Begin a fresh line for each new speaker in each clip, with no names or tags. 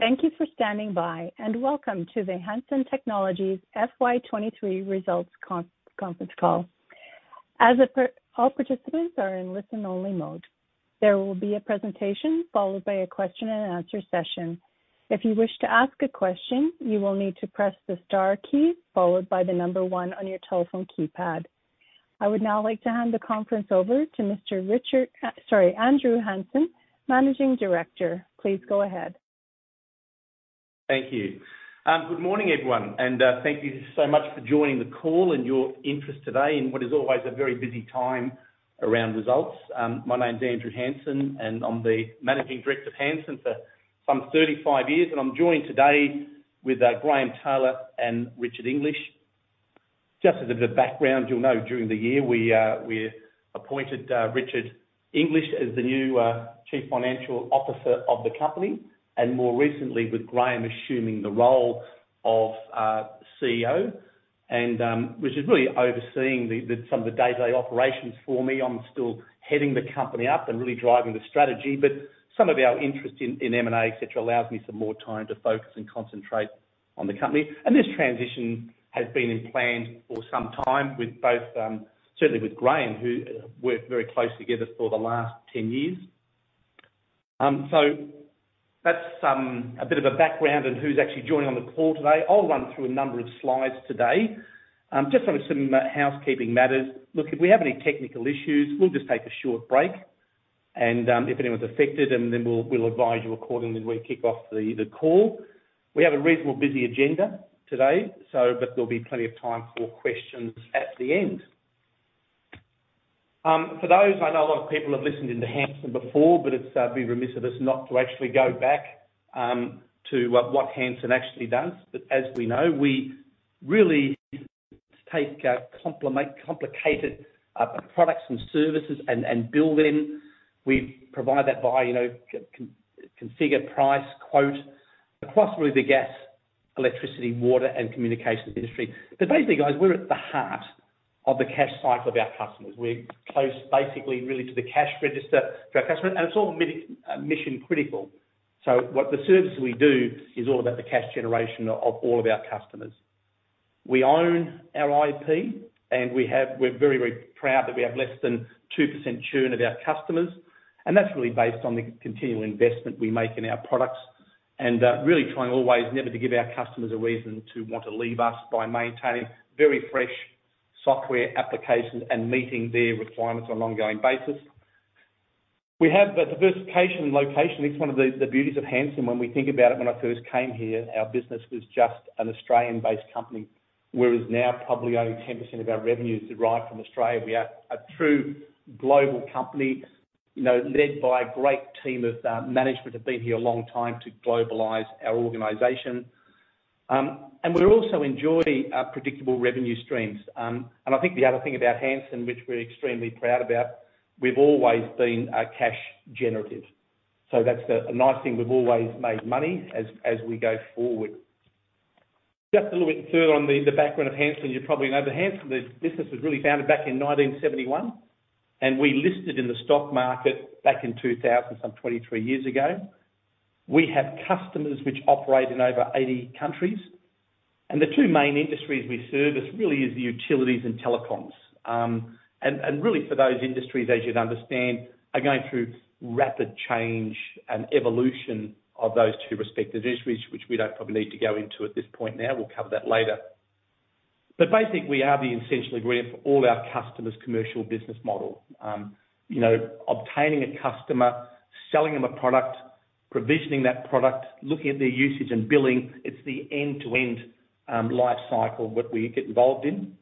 Thank you for standing by, welcome to the Hansen Technologies FY 2023 results conference call. All participants are in listen-only mode. There will be a presentation followed by a question and answer session. If you wish to ask a question, you will need to press the star key, followed by the number one on your telephone keypad. I would now like to hand the conference over to Mr. Richard, sorry, Andrew Hansen, Managing Director. Please go ahead.
Thank you. Good morning, everyone, thank you so much for joining the call and your interest today in what is always a very busy time around results. My name is Andrew Hansen, I'm the Managing Director of Hansen for some 35 years, and I'm joined today with Graeme Taylor and Richard English. Just as a bit of background, you'll know during the year, we appointed Richard English as the new Chief Financial Officer of the company, more recently, with Graeme assuming the role of CEO, which is really overseeing the, some of the day-to-day operations for me. I'm still heading the company up and really driving the strategy, some of our interest in M&A, et cetera, allows me some more time to focus and concentrate on the company. This transition has been in plan for some time, with both, certainly with Graeme, who worked very closely together for the last 10 years. That's a bit of a background on who's actually joining on the call today. I'll run through a number of slides today. Just on some housekeeping matters. If we have any technical issues, we'll just take a short break, and if anyone's affected, and then we'll advise you accordingly when we kick off the call. We have a reasonable, busy agenda today, but there'll be plenty of time for questions at the end. For those, I know a lot of people have listened in to Hansen before, but it's be remiss of us not to actually go back to what Hansen actually does. As we know, we really take complicated products and services and, and build them. We provide that via, you know, Configure, Price, Quote, across really the gas, electricity, water, and communications industry. Basically, guys, we're at the heart of the cash cycle of our customers. We're close, basically, really, to the cash register to our customer, and it's all mission critical. What the services we do is all about the cash generation of all of our customers. We own our IP, and we have-- we're very, very proud that we have less than 2% churn of our customers, and that's really based on the continual investment we make in our products and really trying always never to give our customers a reason to want to leave us by maintaining very fresh software applications and meeting their requirements on an ongoing basis. We have a diversification location. It's one of the, the beauties of Hansen. When we think about it, when I first came here, our business was just an Australian-based company, whereas now probably only 10% of our revenues derive from Australia. We are a true global company, you know, led by a great team of management, have been here a long time to globalize our organization. We also enjoy predictable revenue streams. I think the other thing about Hansen, which we're extremely proud about, we've always been cash generative. That's a nice thing. We've always made money as we go forward. Just a little bit further on the background of Hansen, you probably know that Hansen, the business, was really founded back in 1971, we listed in the stock market back in 2000, some 23 years ago. We have customers which operate in over 80 countries, the two main industries we service really is the utilities and telecoms. Really for those industries, as you'd understand, are going through rapid change and evolution of those two respective industries, which we don't probably need to go into at this point now. We'll cover that later. Basically, we are the essential ingredient for all our customers' commercial business model. You know, obtaining a customer, selling them a product, provisioning that product, looking at their usage and billing, it's the end-to-end life cycle that we get involved in.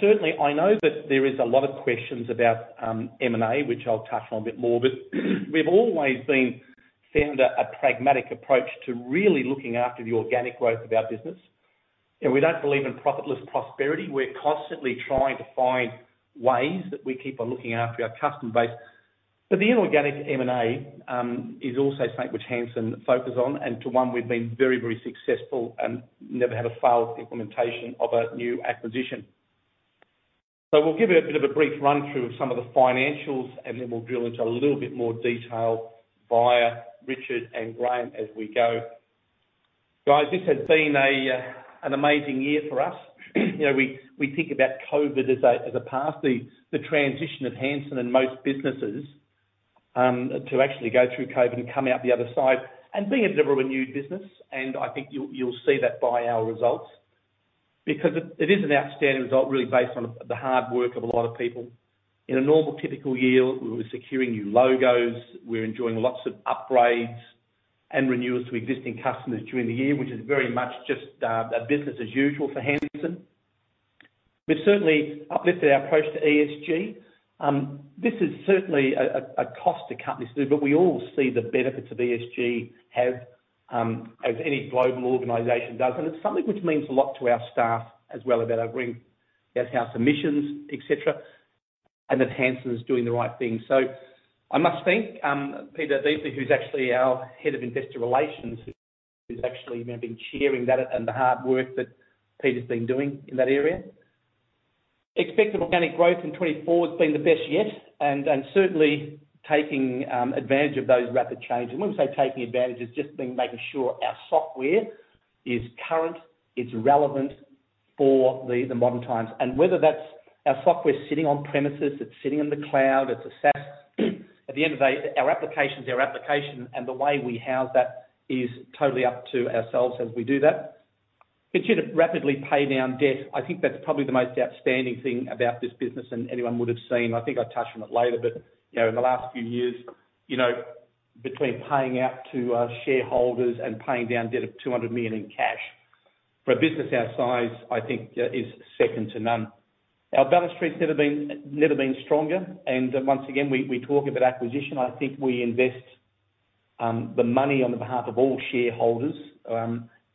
Certainly, I know that there is a lot of questions about M&A, which I'll touch on a bit more, but we've always been found a pragmatic approach to really looking after the organic growth of our business. You know, we don't believe in profitless prosperity. We're constantly trying to find ways that we keep on looking after our customer base. The inorganic M&A is also something which Hansen focuses on, and to one we've been very, very successful and never had a failed implementation of a new acquisition. We'll give you a bit of a brief run-through of some of the financials, and then we'll drill into a little bit more detail via Richard and Graeme as we go. Guys, this has been an amazing year for us. You know, we, we think about COVID as a, as a past, the, the transition of Hansen and most businesses to actually go through COVID and come out the other side and being a delivery renewed business. I think you'll see that by our results because it, it is an outstanding result, really based on the hard work of a lot of people. In a normal, typical year, we'll be securing new logos, we're enjoying lots of upgrades and renewals to existing customers during the year, which is very much just a business as usual for Hansen. We've certainly uplifted our approach to ESG. This is certainly a, a, a cost to cut this through, but we all see the benefits of ESG have, as any global organization does, and it's something which means a lot to our staff as well, about our green, about our emissions, et cetera, and that Hansen is doing the right thing. I must thank Peter Beamsley, who's actually our Head of Investor Relations, who's actually been chairing that and the hard work that Peter's been doing in that area. Expected organic growth in 2024 has been the best yet, certainly taking advantage of those rapid changes. When we say taking advantage, it's just being making sure our software is current, it's relevant for the, the modern times. Whether that's our software sitting on premises, it's sitting in the cloud, it's a SaaS. At the end of the day, our application is our application, and the way we house that is totally up to ourselves as we do that. Continue to rapidly pay down debt. I think that's probably the most outstanding thing about this business, and anyone would have seen. I think I'll touch on it later, but, you know, in the last few years, you know, between paying out to our shareholders and paying down debt of 200 million in cash, for a business our size, I think, is second to none. Our balance sheet's never been, never been stronger, and once again, we, we talk about acquisition. I think we invest the money on the behalf of all shareholders.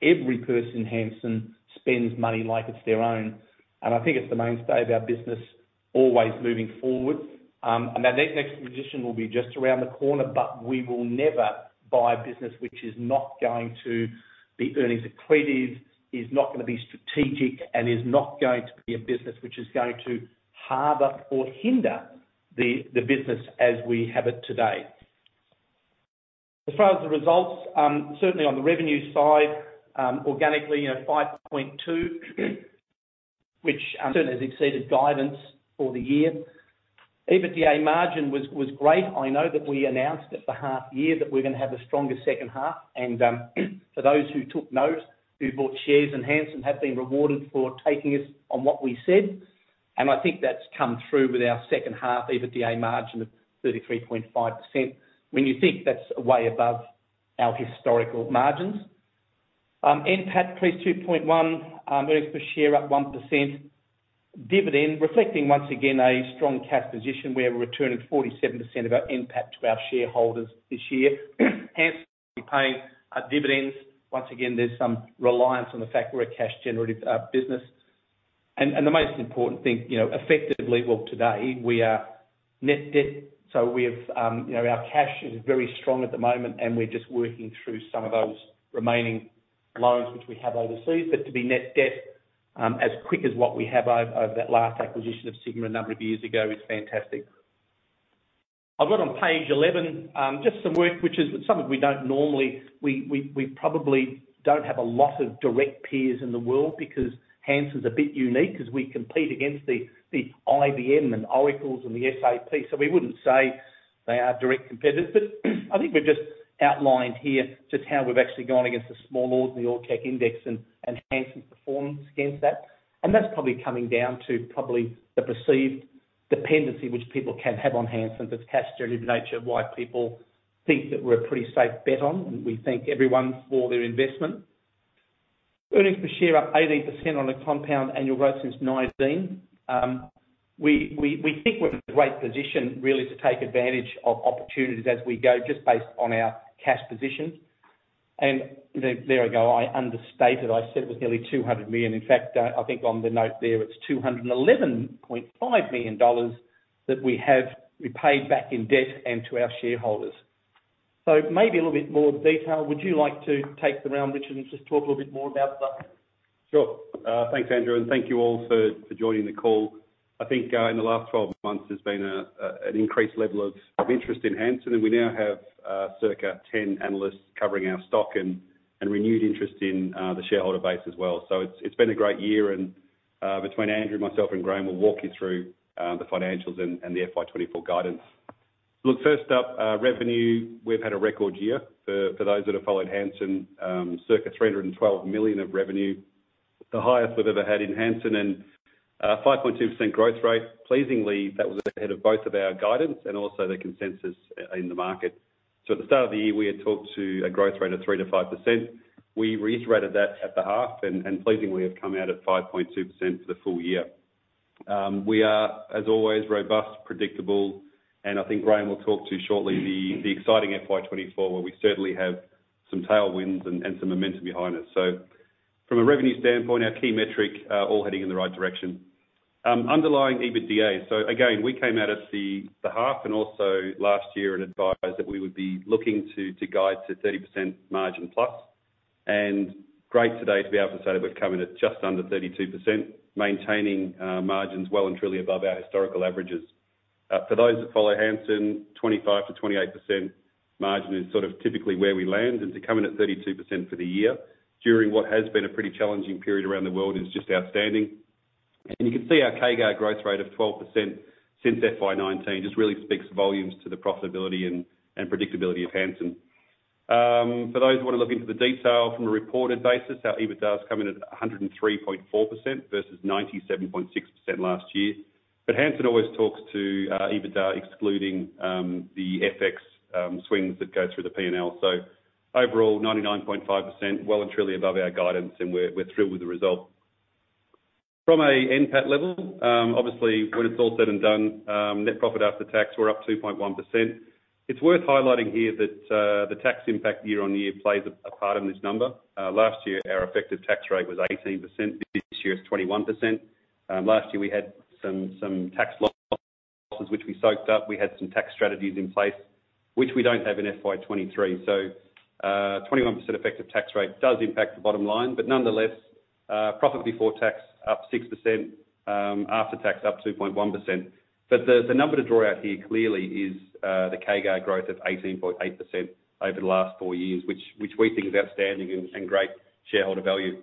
Every person in Hansen spends money like it's their own, and I think it's the mainstay of our business, always moving forward. Our next, next acquisition will be just around the corner, but we will never buy a business which is not going to be earnings accretive, is not gonna be strategic, and is not going to be a business which is going to harbor or hinder the business as we have it today. As far as the results, certainly on the revenue side, organically, you know, 5.2, which certainly has exceeded guidance for the year. EBITDA margin was, was great. I know that we announced at the half year that we're gonna have a stronger second half. For those who took note, who bought shares in Hansen, have been rewarded for taking us on what we said, and I think that's come through with our second half EBITDA margin of 33.5%. When you think that's way above our historical margins. NPAT $32.1, earnings per share up 1%. Dividend, reflecting once again, a strong cash position, we have returned 47% of our NPAT to our shareholders this year. Hansen paying dividends, once again, there's some reliance on the fact we're a cash-generative business. The most important thing, you know, effectively, well, today, we are net debt, so we have, you know, our cash is very strong at the moment, and we're just working through some of those remaining loans which we have overseas. To be net debt, as quick as what we have over, over that last acquisition of Sigma a number of years ago is fantastic. I've got on page 11, just some work, which is something we don't normally-- we, we, we probably don't have a lot of direct peers in the world because Hansen's a bit unique as we compete against the, the IBM and Oracles and the SAPs. We wouldn't say they are direct competitors, but I think we've just outlined here just how we've actually gone against the Small Ords and the All Tech index and Hansen's performance against that. That's probably coming down to probably the perceived dependency which people can have on Hansen, that's cash-generative nature, why people think that we're a pretty safe bet on, and we thank everyone for their investment. Earnings per share up 18% on a compound annual growth since 2019. We think we're in a great position, really, to take advantage of opportunities as we go, just based on our cash position. There, there I go, I understated. I said it was nearly 200 million. In fact, I think on the note there, it's 211.5 million dollars that we have repaid back in debt and to our shareholders. Maybe a little bit more detail. Would you like to take them around, Richard, and just talk a little bit more about that?
Sure. Thanks, Andrew, and thank you all for joining the call. I think, in the last 12 months, there's been an increased level of interest in Hansen, and we now have circa 10 analysts covering our stock and renewed interest in the shareholder base as well. It's been a great year and between Andrew, myself, and Graham, we'll walk you through the financials and the FY 2024 guidance. First up, revenue, we've had a record year. For those that have followed Hansen, circa 312 million of revenue, the highest we've ever had in Hansen and 5.2% growth rate. Pleasingly, that was ahead of both of our guidance and also the consensus in the market. At the start of the year, we had talked to a growth rate of 3%-5%. We reiterated that at the half, and pleasingly, have come out at 5.2% for the full year. We are, as always, robust, predictable, and I think Graeme will talk to you shortly, the exciting FY 2024, where we certainly have some tailwinds and some momentum behind us. From a revenue standpoint, our key metric, all heading in the right direction. Underlying EBITDA, so again, we came out at the half and also last year, and advised that we would be looking to guide to 30% margin plus, and great today to be able to say that we've come in at just under 32%, maintaining margins well and truly above our historical averages. For those that follow Hansen, 25%-28% margin is sort of typically where we land, and to come in at 32% for the year, during what has been a pretty challenging period around the world, is just outstanding. You can see our CAGR growth rate of 12% since FY 2019, just really speaks volumes to the profitability and predictability of Hansen. For those who want to look into the detail from a reported basis, our EBITDA has come in at 103.4% versus 97.6% last year. Hansen always talks to EBITDA excluding the FX swings that go through the P&L. Overall, 99.5%, well, and truly above our guidance, and we're thrilled with the result. From a NPAT level, obviously, when it's all said and done, net profit after tax were up 2.1%. It's worth highlighting here that the tax impact year-on-year plays a part in this number. Last year, our effective tax rate was 18%. This year, it's 21%. Last year, we had some tax losses, we soaked up, we had some tax strategies in place, which we don't have in FY 2023. Twenty-one percent effective tax rate does impact the bottom line, but nonetheless, profit before tax up 6%, after tax, up 2.1%. The number to draw out here clearly is the CAGR growth of 18.8% over the last 4 years, which we think is outstanding and great shareholder value.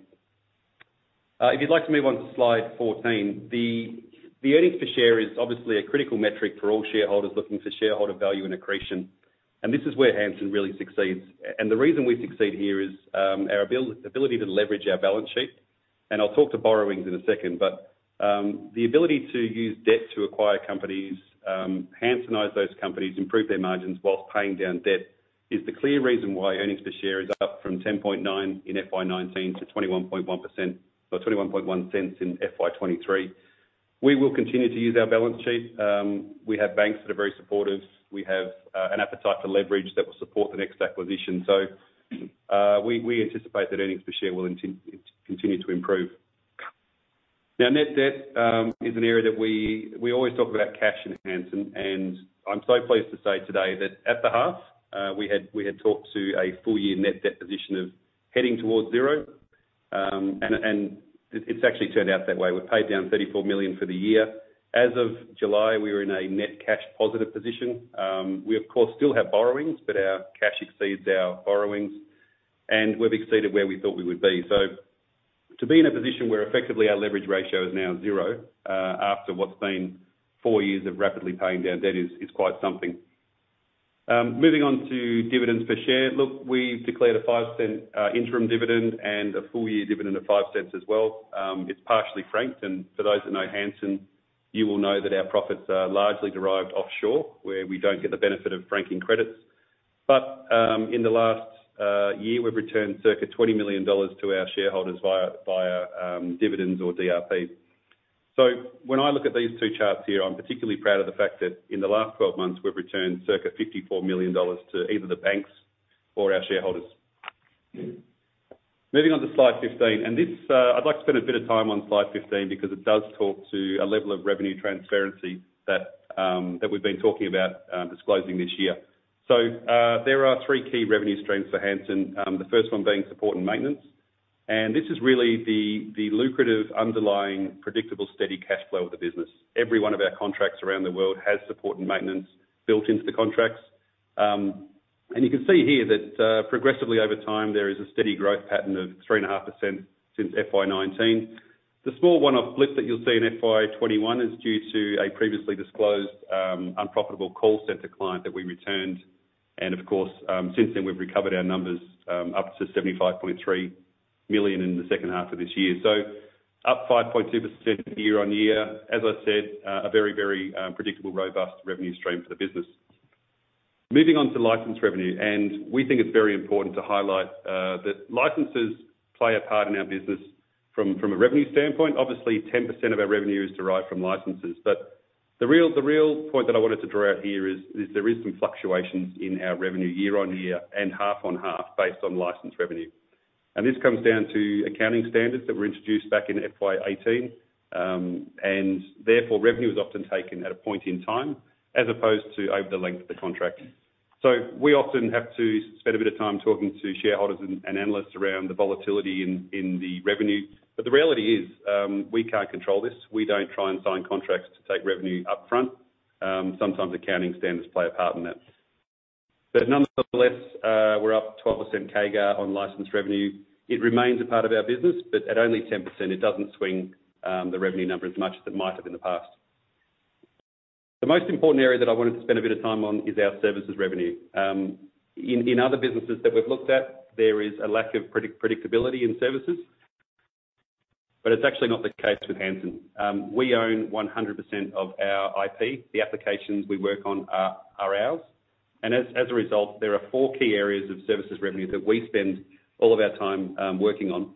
If you'd like to move on to slide 14, the earnings per share is obviously a critical metric for all shareholders looking for shareholder value and accretion. This is where Hansen really succeeds. The reason we succeed here is our ability to leverage our balance sheet. I'll talk to borrowings in a second, but the ability to use debt to acquire companies, Hansenize those companies, improve their margins whilst paying down debt, is the clear reason why earnings per share is up from 10.9 in FY 2019 to 21.1% or 0.211 in FY 2023. We will continue to use our balance sheet. We have banks that are very supportive. We have an appetite for leverage that will support the next acquisition. we anticipate that earnings per share will continue to improve. Now, net debt is an area that we always talk about cash in Hansen, and I'm so pleased to say today that at the half, we had, we had talked to a full year net debt position of heading towards zero. and it's actually turned out that way. We paid down 34 million for the year. As of July, we were in a net cash positive position. we, of course, still have borrowings, but our cash exceeds our borrowings, and we've exceeded where we thought we would be. to be in a position where effectively our leverage ratio is now zero, after what's been four years of rapidly paying down debt is, is quite something. moving on to dividends per share. Look, we've declared a 0.05 interim dividend and a full year dividend of 0.05 as well. It's partially franked, and for those that know Hansen, you will know that our profits are largely derived offshore, where we don't get the benefit of franking credits. In the last year, we've returned circa 20 million dollars to our shareholders via, via, dividends or DRP. When I look at these two charts here, I'm particularly proud of the fact that in the last 12 months, we've returned circa 54 million dollars to either the banks or our shareholders. Moving on to slide 15, and this, I'd like to spend a bit of time on slide 15 because it does talk to a level of revenue transparency that we've been talking about disclosing this year. There are three key revenue streams for Hansen, the first one being support and maintenance. This is really the lucrative, underlying, predictable, steady cash flow of the business. Every one of our contracts around the world has support and maintenance built into the contracts. You can see here that progressively over time, there is a steady growth pattern of 3.5% since FY 2019. The small one-off blip that you'll see in FY 2021 is due to a previously disclosed unprofitable call center client that we returned, and of course, since then we've recovered our numbers up to $75.3 million in the second half of this year. Up 5.2% year-over-year. As I said, a very, very predictable, robust revenue stream for the business. Moving on to license revenue. We think it's very important to highlight that licenses play a part in our business from a revenue standpoint. Obviously, 10% of our revenue is derived from licenses. The real, the real point that I wanted to draw out here is, there is some fluctuations in our revenue year-over-year and half-on-half based on license revenue. This comes down to accounting standards that were introduced back in FY 2018, and therefore, revenue is often taken at a point in time as opposed to over the length of the contract. We often have to spend a bit of time talking to shareholders and analysts around the volatility in the revenue. The reality is, we can't control this. We don't try and sign contracts to take revenue upfront. Sometimes accounting standards play a part in that. Nonetheless, we're up 12% CAGR on license revenue. It remains a part of our business, but at only 10%, it doesn't swing the revenue number as much as it might have in the past. The most important area that I wanted to spend a bit of time on is our services revenue. In, in other businesses that we've looked at, there is a lack of predic- predictability in services, but it's actually not the case with Hansen. We own 100% of our IP. The applications we work on are, are ours, and as, as a result, there are four key areas of services revenue that we spend all of our time working on.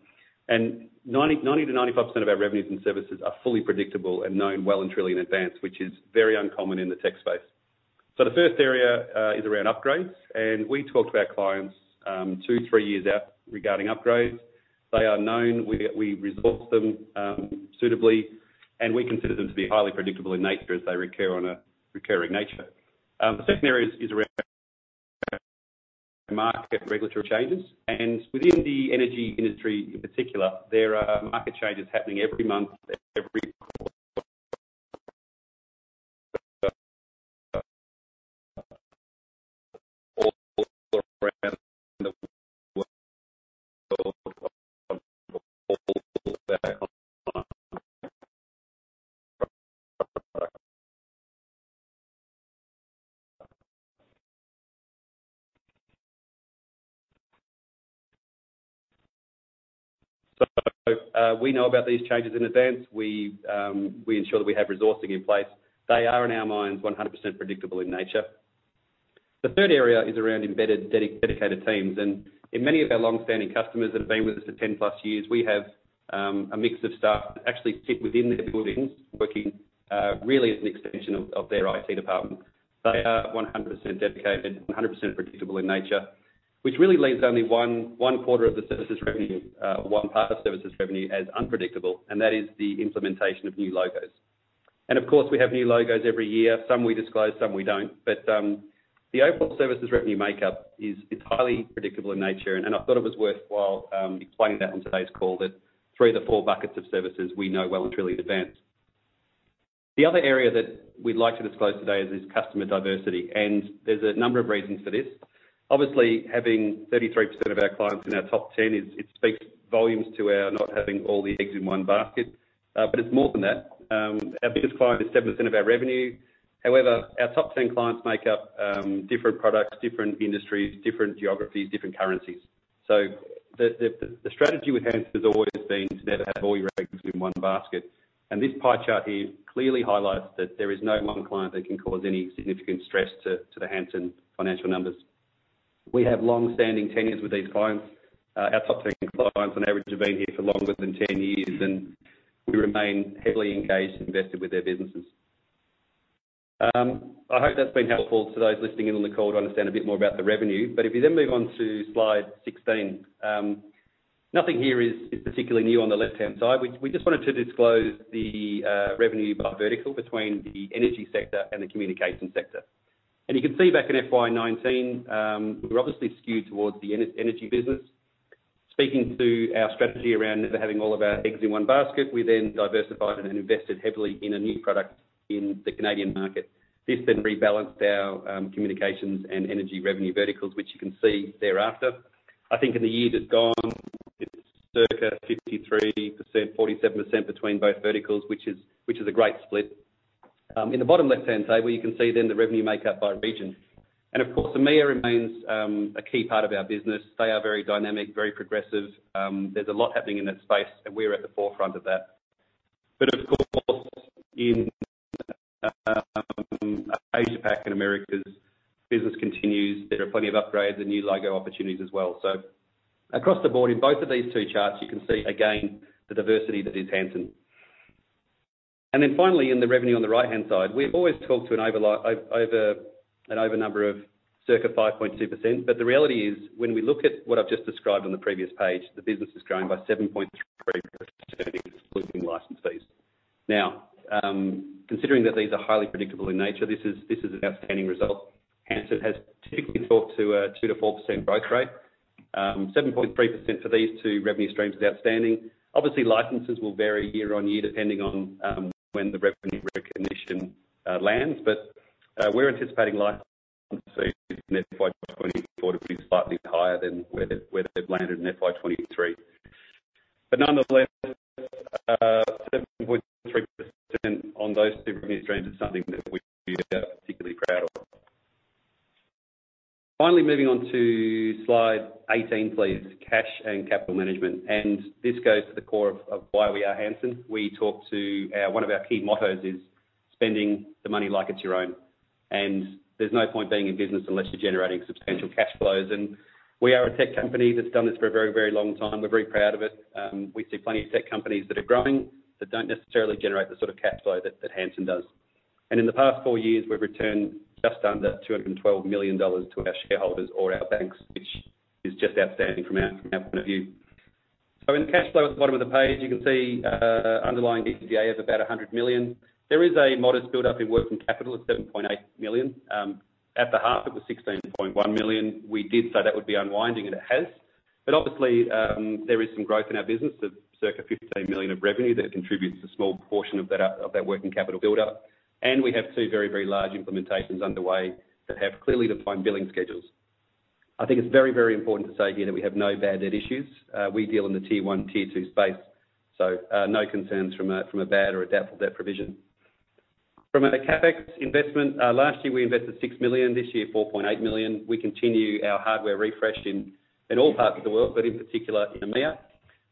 90-95% of our revenues and services are fully predictable and known well and truly in advance, which is very uncommon in the tech space. The first area is around upgrades, and we talk to our clients two, three years out regarding upgrades. They are known, we, we resource them suitably, and we consider them to be highly predictable in nature as they recur on a recurring nature. The second area is around market regulatory changes, and within the energy industry in particular, there are market changes happening every month, every quarter. We know about these changes in advance. We ensure that we have resourcing in place. They are, in our minds, 100% predictable in nature. The third area is around embedded dedicated teams, and in many of our longstanding customers that have been with us for 10+ years, we have a mix of staff that actually sit within their buildings, working really as an extension of their IT department. They are 100% dedicated, 100% predictable in nature, which really leaves only one quarter of the services revenue, one part of services revenue as unpredictable, and that is the implementation of new logos. Of course, we have new logos every year. Some we disclose, some we don't. The overall services revenue makeup is highly predictable in nature, and I thought it was worthwhile explaining that on today's call, that three of the four buckets of services we know well and truly in advance. The other area that we'd like to disclose today is customer diversity. There's a number of reasons for this. Obviously, having 33% of our clients in our top 10 is, it speaks volumes to our not having all the eggs in one basket. It's more than that. Our biggest client is 7% of our revenue. However, our top 10 clients make up different products, different industries, different geographies, different currencies. The, the, the strategy with Hansen has always been to never have all your eggs in one basket. This pie chart here clearly highlights that there is no 1 client that can cause any significant stress to, to the Hansen financial numbers. We have long-standing tenures with these clients. Our top 10 clients on average, have been here for longer than 10 years. We remain heavily engaged and invested with their businesses. I hope that's been helpful to those listening in on the call to understand a bit more about the revenue. If you then move on to slide 16, nothing here is particularly new on the left-hand side. We just wanted to disclose the revenue by vertical between the energy sector and the communication sector. You can see back in FY 2019, we're obviously skewed towards the energy business. Speaking to our strategy around never having all of our eggs in one basket, we then diversified and invested heavily in a new product in the Canadian market. This then rebalanced our communications and energy revenue verticals, which you can see thereafter. I think in the year that's gone, it's circa 53%, 47% between both verticals, which is, which is a great split. In the bottom left-hand table, you can see then the revenue make up by region. Of course, the EMEA remains a key part of our business. They are very dynamic, very progressive. There's a lot happening in that space, and we're at the forefront of that. Of course, in Asia Pac and Americas, business continues. There are plenty of upgrades and new logo opportunities as well. Across the board, in both of these two charts, you can see again, the diversity that is Hansen. Finally, in the revenue on the right-hand side, we've always talked to an over number of circa 5.2%. The reality is, when we look at what I've just described on the previous page, the business has grown by 7.3%, excluding license fees. Now, considering that these are highly predictable in nature, this is, this is an outstanding result. Hansen has typically talked to a 2%-4% growth rate. 7.3% for these two revenue streams is outstanding. Obviously, licenses will vary year on year, depending on when the revenue recognition lands. We're anticipating license fees in FY 2024 to be slightly higher than where they, where they've landed in FY 2023. Nonetheless, 7.3% on those two revenue streams is something that we are particularly proud of. Finally, moving on to slide 18, please. Cash and capital management, this goes to the core of, of why we are Hansen. We talk to our-- One of our key mottos is: spending the money like it's your own. There's no point being in business unless you're generating substantial cash flows. We are a tech company that's done this for a very, very long time. We're very proud of it. We see plenty of tech companies that are growing, that don't necessarily generate the sort of cash flow that, that Hansen does. In the past 4 years, we've returned just under 212 million dollars to our shareholders or our banks, which is just outstanding from our, from our point of view. In the cash flow at the bottom of the page, you can see underlying EBITDA of about 100 million. There is a modest buildup in working capital of 7.8 million. At the half, it was $16.1 million. We did say that would be unwinding, and it has. Obviously, there is some growth in our business of circa $15 million of revenue that contributes to a small portion of that, of that working capital buildup. We have two very, very large implementations underway that have clearly defined billing schedules. I think it's very, very important to say here that we have no bad debt issues. We deal in the tier one, tier two space, so no concerns from a, from a bad or adaptable debt provision. From a CapEx investment, last year we invested $6 million, this year, $4.8 million. We continue our hardware refresh in, in all parts of the world, but in particular in EMEA.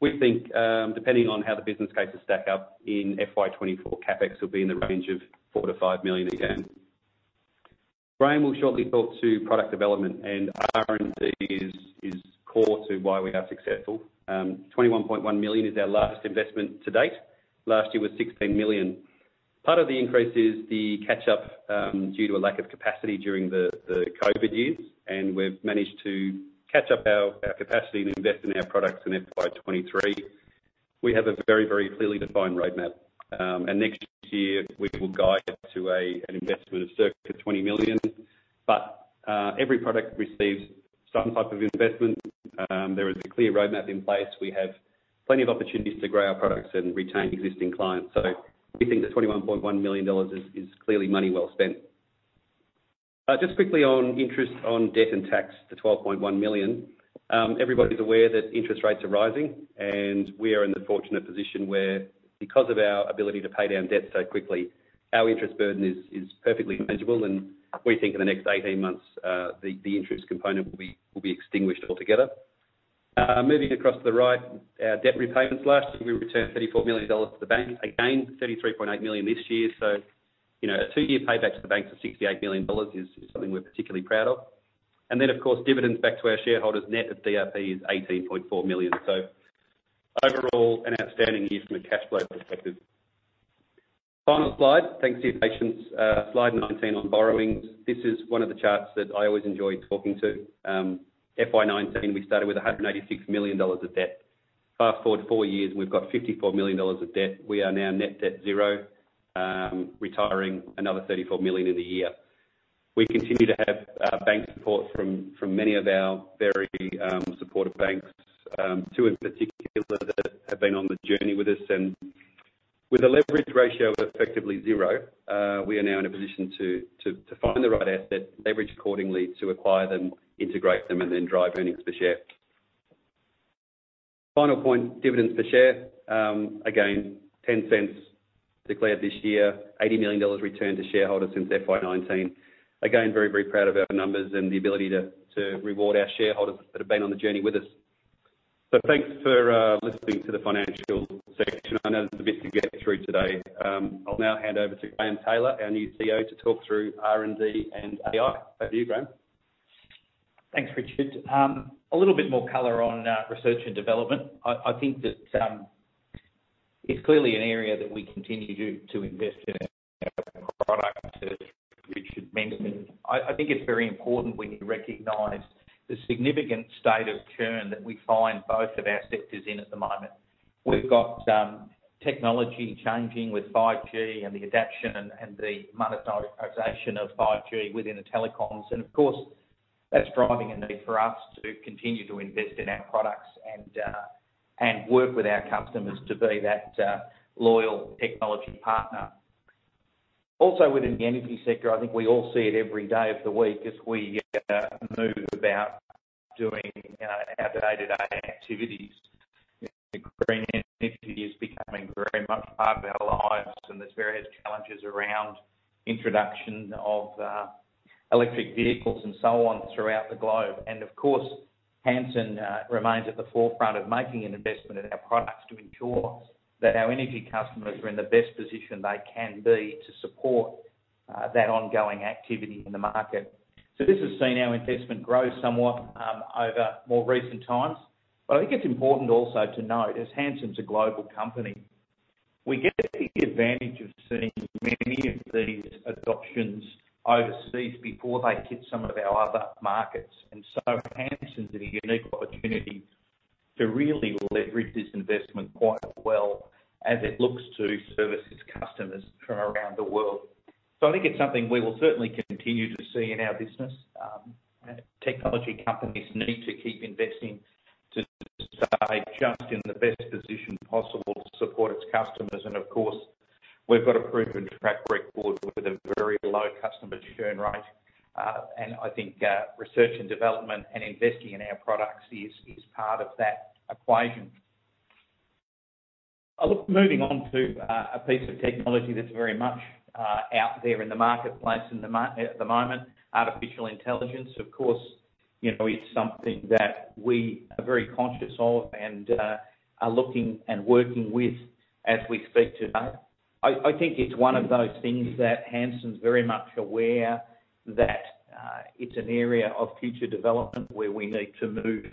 We think, depending on how the business cases stack up in FY 2024, CapEx will be in the range of $4 million-$5 million again. Graeme will shortly talk to product development, R&D is core to why we are successful. $21.1 million is our largest investment to date. Last year was $16 million. Part of the increase is the catch up, due to a lack of capacity during the COVID years, we've managed to catch up our capacity and invest in our products in FY 2023. We have a very, very clearly defined roadmap, next year, we will guide to an investment of circa $20 million. Every product receives some type of investment. There is a clear roadmap in place. We have plenty of opportunities to grow our products and retain existing clients. We think that 21.1 million dollars is, is clearly money well spent. Just quickly on interest on debt and tax, the 12.1 million. Everybody's aware that interest rates are rising, and we are in the fortunate position where, because of our ability to pay down debt so quickly, our interest burden is, is perfectly manageable, and we think in the next 18 months, the, the interest component will be, will be extinguished altogether. Moving across to the right, our debt repayments. Last year, we returned 34 million dollars to the bank. Again, 33.8 million this year. You know, a two-year payback to the banks of 68 million dollars is, is something we're particularly proud of. Then, of course, dividends back to our shareholders net of DRP is 18.4 million. Overall, an outstanding year from a cash flow perspective. Final slide. Thanks for your patience. Slide 19 on borrowings. This is one of the charts that I always enjoy talking to. FY 2019, we started with 186 million dollars of debt. Fast-forward four years, we've got 54 million dollars of debt. We are now net debt zero, retiring another 34 million in the year. We continue to have bank support from, from many of our very supportive banks, two in particular that have been on the journey with us. With a leverage ratio of effectively 0, we are now in a position to find the right asset, leverage accordingly to acquire them, integrate them, and then drive earnings per share. Final point, dividends per share. Again, 0.10 declared this year, 80 million dollars returned to shareholders since FY 2019. Again, very, very proud of our numbers and the ability to, to reward our shareholders that have been on the journey with us. Thanks for listening to the financial section. I know there's a bit to get through today. I'll now hand over to Graeme Taylor, our new CEO, to talk through R&D and AI. Over to you, Graeme.
Thanks, Richard. A little bit more color on research and development. I think that it's clearly an area that we continue to invest in our products, as Richard mentioned. I think it's very important we recognize the significant state of churn that we find both of our sectors in at the moment. We've got technology changing with 5G and the adaption and the monetization of 5G within the telecoms. Of course, that's driving a need for us to continue to invest in our products and work with our customers to be that loyal technology partner. Also, within the energy sector, I think we all see it every day of the week as we move about doing our day-to-day activities. Green energy is becoming very much part of our lives, there's various challenges around introduction of electric vehicles and so on throughout the globe. Of course, Hansen remains at the forefront of making an investment in our products to ensure that our energy customers are in the best position they can be to support that ongoing activity in the market. This has seen our investment grow somewhat over more recent times. I think it's important also to note, as Hansen's a global company, we get the advantage of seeing many of these adoptions overseas before they hit some of our other markets. Hansen's in a unique opportunity to really leverage this investment quite well as it looks to service its customers from around the world. I think it's something we will certainly continue to see in our business. Technology companies need to keep investing to stay just in the best position possible to support its customers. Of course, we've got a proven track record with a very low customer churn rate. I think research and development and investing in our products is, is part of that equation. Moving on to a piece of technology that's very much out there in the marketplace at the moment, artificial intelligence. Of course, you know, it's something that we are very conscious of and are looking and working with as we speak today. I think it's one of those things that Hansen's very much aware that it's an area of future development where we need to move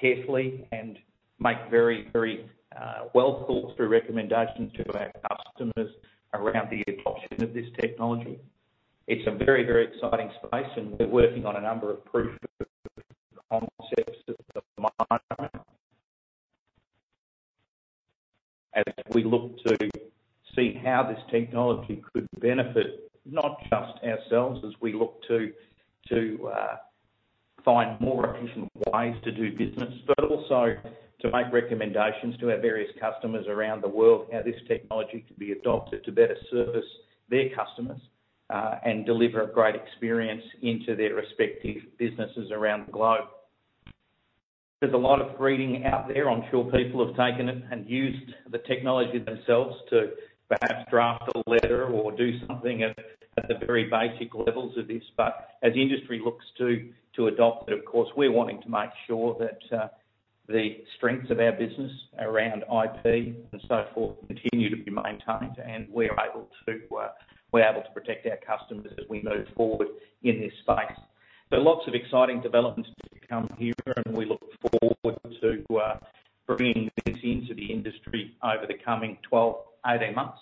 carefully and make very, very well-thought-through recommendations to our customers around the adoption of this technology. It's a very, very exciting space. We're working on a number of proof of concepts at the moment as we look to see how this technology could benefit, not just ourselves, as we look to, to find more efficient ways to do business, but also to make recommendations to our various customers around the world, how this technology could be adopted to better service their customers, and deliver a great experience into their respective businesses around the globe. There's a lot of reading out there. I'm sure people have taken it and used the technology themselves to perhaps draft a letter or do something at, at the very basic levels of this. As the industry looks to, to adopt it, of course, we're wanting to make sure that the strengths of our business around IP and so forth, continue to be maintained, and we're able to we're able to protect our customers as we move forward in this space. Lots of exciting developments to come here, and we look forward to bringing this into the industry over the coming 12, 18 months.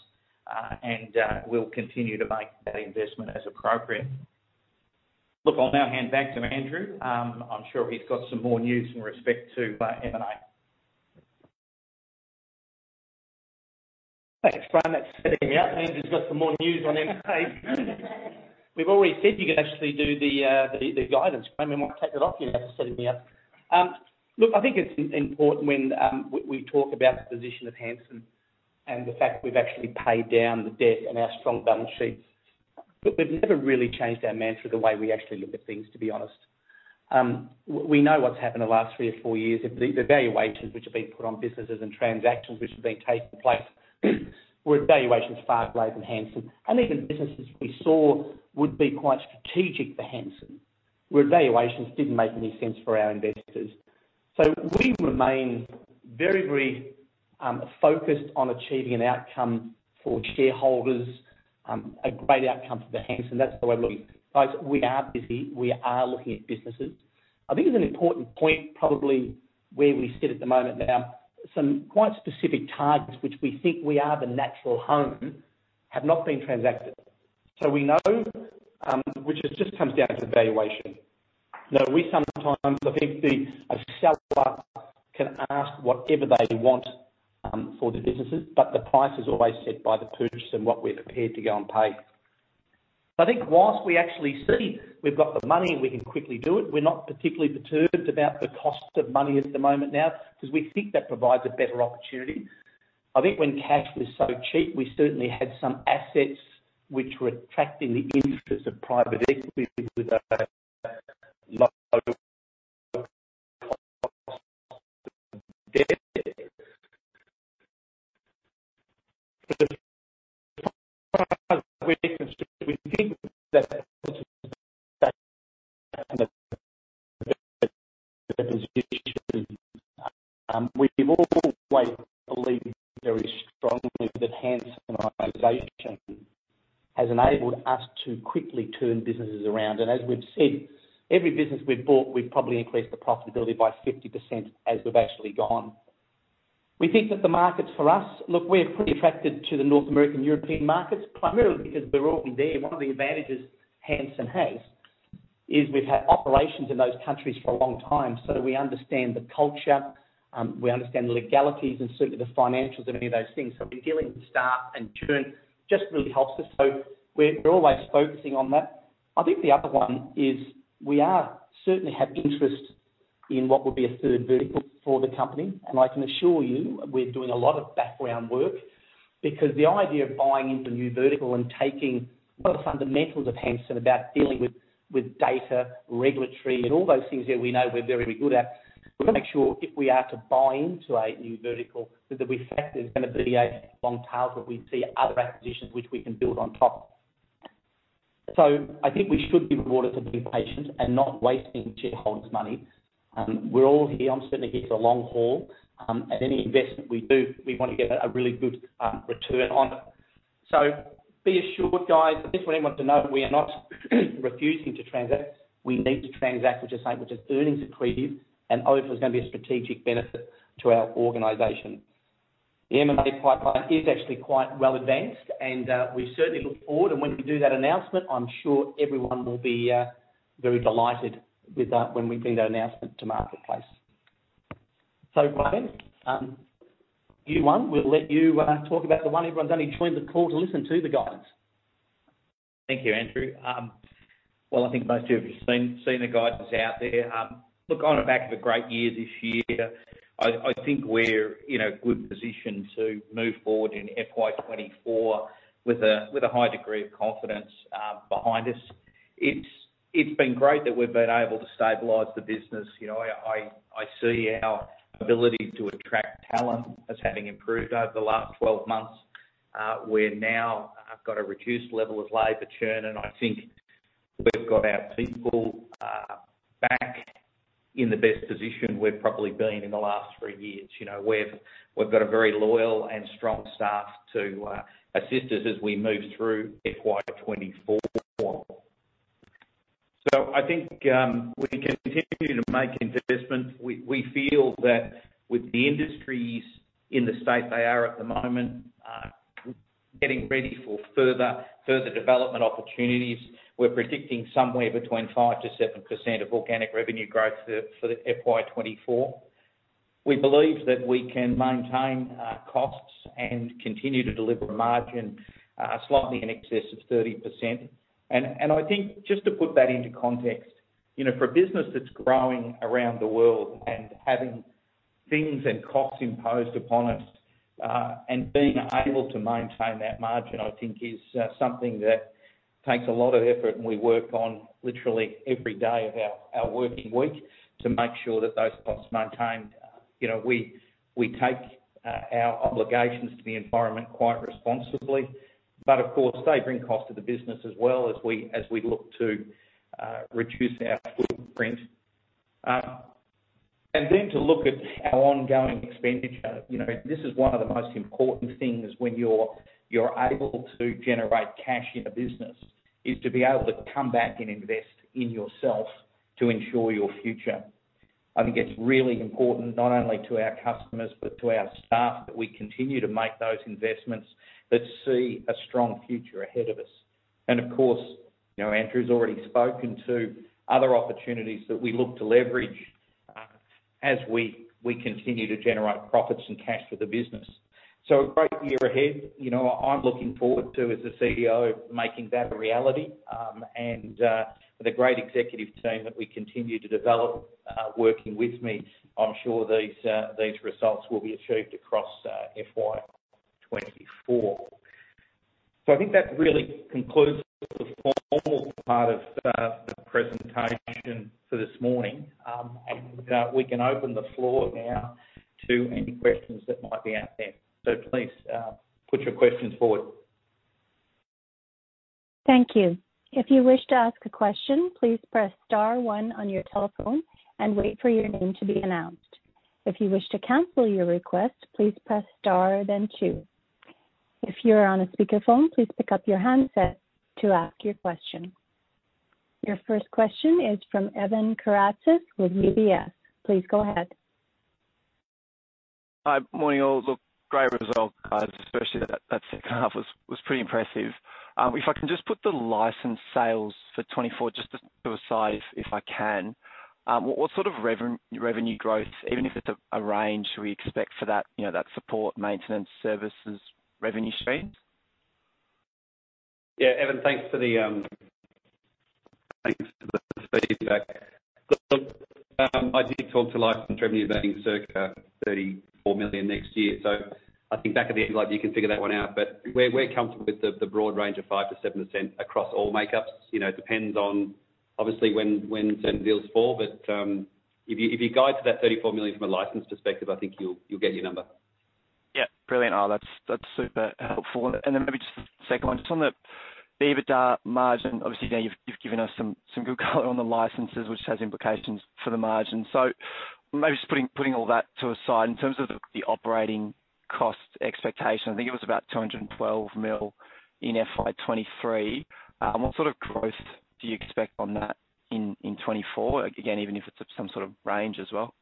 We'll continue to make that investment as appropriate. Look, I'll now hand back to Andrew. I'm sure he's got some more news in respect to M&A.
Thanks, Graham, for setting me up. Andrew's got some more news on M&A. We've always said you could actually do the, the, the guidance. I might take that off you for setting me up. Look, I think it's important when we, we talk about the position of Hansen and the fact that we've actually paid down the debt and our strong balance sheets. Look, we've never really changed our mantra, the way we actually look at things, to be honest. We know what's happened in the last three or four years. The, the valuations which are being put on businesses and transactions which have been taking place, were valuations far greater than Hansen, and even businesses we saw would be quite strategic for Hansen, where valuations didn't make any sense for our investors. We remain very, very- ... focused on achieving an outcome for shareholders, a great outcome for the Hansen. That's the way we're looking. Guys, we are busy, we are looking at businesses. I think it's an important point, probably, where we sit at the moment now, some quite specific targets, which we think we are the natural home, have not been transacted. We know, which it just comes down to valuation, that we sometimes, I think, the, a seller can ask whatever they want for the businesses, but the price is always set by the purchaser and what we're prepared to go and pay. I think whilst we actually see we've got the money and we can quickly do it, we're not particularly perturbed about the cost of money at the moment now, 'cause we think that provides a better opportunity. I think when cash was so cheap, we certainly had some assets which were attracting the interest of private equity with a low cost of debt. We think that we've always believed very strongly that Hansen organization has enabled us to quickly turn businesses around, and as we've said, every business we've bought, we've probably increased the profitability by 50% as we've actually gone. We think that the markets for us. Look, we're pretty attracted to the North American, European markets, primarily because we're already there. One of the advantages Hansen has is we've had operations in those countries for a long time, so we understand the culture, we understand the legalities and certainly the financials and many of those things. Dealing with staff and churn just really helps us. We're always focusing on that. I think the other one is we are, certainly have interest in what would be a third vertical for the company, and I can assure you, we're doing a lot of background work because the idea of buying into a new vertical and taking one of the fundamentals of Hansen, about dealing with, with data, regulatory, and all those things that we know we're very good at. We're gonna make sure if we are to buy into a new vertical, that the effect is gonna be a long tail, that we see other acquisitions which we can build on top of. I think we should be rewarded for being patient and not wasting shareholders' money. We're all here, I'm certainly here for the long haul, and any investment we do, we want to get a really good return on it. Be assured, guys, I just want everyone to know we are not refusing to transact. We need to transact, which is earnings accretive and also is gonna be a strategic benefit to our organization. The M&A pipeline is actually quite well advanced and we certainly look forward, and when we do that announcement, I'm sure everyone will be very delighted with that when we bring that announcement to marketplace. Graham, you one, we'll let you talk about the one everyone's only joined the call to listen to the guidance.
Thank you, Andrew. Well, I think most of you have just seen, seen the guidance out there. Look, on the back of a great year this year, I, I think we're in a good position to move forward in FY 2024 with a high degree of confidence behind us. It's, it's been great that we've been able to stabilize the business. You know, I, I, I see our ability to attract talent as having improved over the last 12 months. We're now, have got a reduced level of labor churn, and I think we've got our people back in the best position we've probably been in the last three years. You know, we've, we've got a very loyal and strong staff to assist us as we move through FY 2024. I think we continue to make investments. We, we feel that with the industries in the state they are at the moment, getting ready for further, further development opportunities, we're predicting somewhere between 5%-7% of organic revenue growth for, for the FY 2024. We believe that we can maintain costs and continue to deliver a margin, slightly in excess of 30%. I think just to put that into context, you know, for a business that's growing around the world and having things and costs imposed upon us, and being able to maintain that margin, I think, is something that takes a lot of effort, and we work on literally every day of our, our working week to make sure that those costs are maintained. You know, we, we take, our obligations to the environment quite responsibly, but of course, they bring cost to the business as well as we, as we look to, reduce our footprint. Then to look at our ongoing expenditure, you know, this is one of the most important things when you're, you're able to generate cash in a business, is to be able to come back and invest in yourself to ensure your future. I think it's really important not only to our customers, but to our staff, that we continue to make those investments that see a strong future ahead of us. Of course, you know, Andrew's already spoken to other opportunities that we look to leverage, as we, we continue to generate profits and cash for the business. A great year ahead. You know, I'm looking forward to, as the CEO, making that a reality, and with a great executive team that we continue to develop, working with me, I'm sure these results will be achieved across FY 2024. I think that really concludes the formal part of the presentation for this morning. We can open the floor now to any questions that might be out there. Please, put your questions forward.
Thank you. If you wish to ask a question, please press star one on your telephone and wait for your name to be announced. If you wish to cancel your request, please press star, then two. If you're on a speakerphone, please pick up your handset to ask your question. Your first question is from Evan Karatzas with UBS. Please go ahead.
Hi, morning, all. Look, great results, guys, especially that second half was pretty impressive. If I can just put the license sales for 2024 just to aside, if I can. What sort of revenue growth, even if it's a, a range, should we expect for that, you know, that support maintenance services revenue stream?
Yeah, Evan, thanks for the, thanks for the feedback. Look, I did talk to license revenue being circa 34 million next year, so I think back of the envelope, you can figure that one out. We're, we're comfortable with the, the broad range of 5%-7% across all makeups. You know, it depends on obviously when, when certain deals fall. If you, if you guide to that 34 million from a license perspective, I think you'll, you'll get your number.
Yeah, brilliant. Oh, that's, that's super helpful. Then maybe just second one, just on the EBITDA margin. Obviously, now you've, you've given us some, some good color on the licenses, which has implications for the margin. Maybe just putting all that to aside, in terms of the operating cost expectation, I think it was about 212 million in FY 2023. What sort of growth do you expect on that in FY 2024? Again, even if it's of some sort of range as well.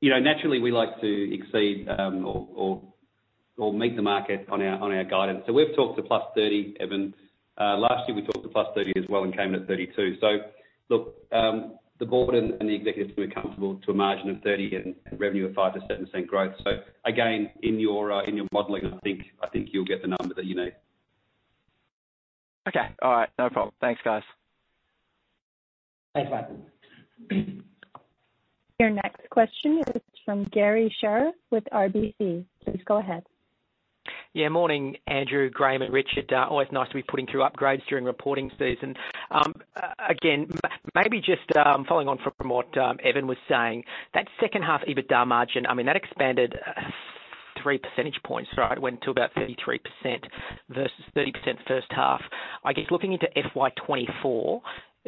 You know, naturally we like to exceed or meet the market on our guidance. We've talked to +30, Evan. Last year, we talked to +30 as well and came in at 32. The board and the executives were comfortable to a margin of 30 and revenue of 5%-7% growth. Again, in your modeling, you'll get the number that you need.
Okay. All right, no problem. Thanks, guys.
Thanks, Evan. Your next question is from Garry Sherriff with RBC. Please go ahead.
Yeah, morning, Andrew, Graeme, and Richard. Always nice to be putting through upgrades during reporting season. Again, maybe just following on from what Evan was saying, that second half EBITDA margin, I mean, that expanded 3 percentage points, right? Went to about 33% versus 30% first half. I guess, looking into FY 2024,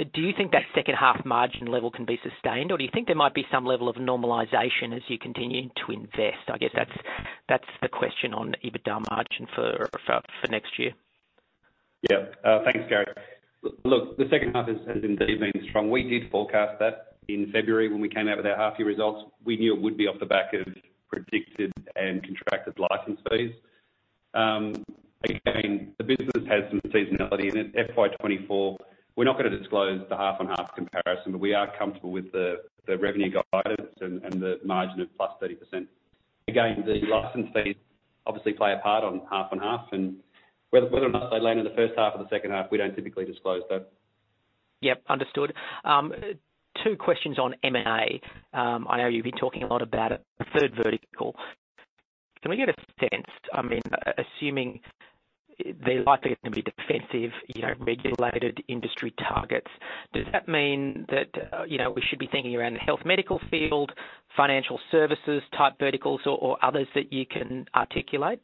do you think that second half margin level can be sustained, or do you think there might be some level of normalization as you continue to invest? I guess that's, that's the question on EBITDA margin for, for, for next year.
Yeah. Thanks, Gary. Look, the second half has indeed been strong. We did forecast that in February when we came out with our half-year results. We knew it would be off the back of predicted and contracted license fees. Again, the business has some seasonality in it. FY 2024, we're not going to disclose the half-on-half comparison, but we are comfortable with the revenue guidance and the margin of +30%. Again, the license fees obviously play a part on half-on-half, and whether or not they land in the first half or the second half, we don't typically disclose that.
Yep, understood. 2 questions on M&A. I know you've been talking a lot about a third vertical. Can we get a sense... I mean, assuming they're likely going to be defensive, you know, regulated industry targets, does that mean that, you know, we should be thinking around the health medical field, financial services type verticals or, or others that you can articulate?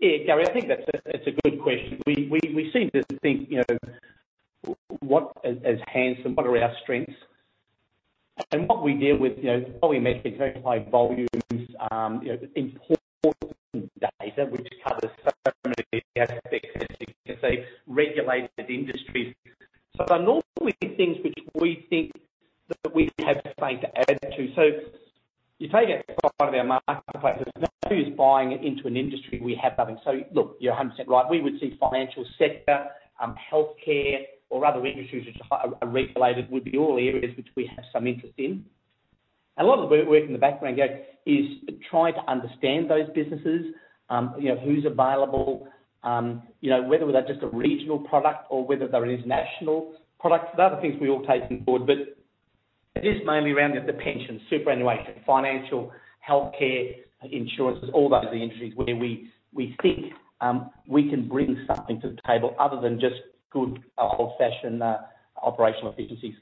Yeah, Gary, I think that's a, that's a good question. We, we, we seem to think, you know, what is, is Hansen, what are our strengths? What we deal with, you know, what we measure very high volumes, you know, important data, which covers so many aspects, as you can say, regulated industries. They're normally things which we think that we have something to add to. You take it out of our marketplace, nobody is buying into an industry, we have nothing. Look, you're 100% right. We would see financial sector, healthcare or other industries which are, are regulated, would be all areas which we have some interest in. A lot of the work in the background, Gary, is trying to understand those businesses, you know, who's available, you know, whether they're just a regional product or whether they're international products. They are the things we all take on board, but it is mainly around the pension, superannuation, financial, healthcare, insurances, all those are the industries where we, we think, we can bring something to the table other than just good, old-fashioned, operational efficiencies.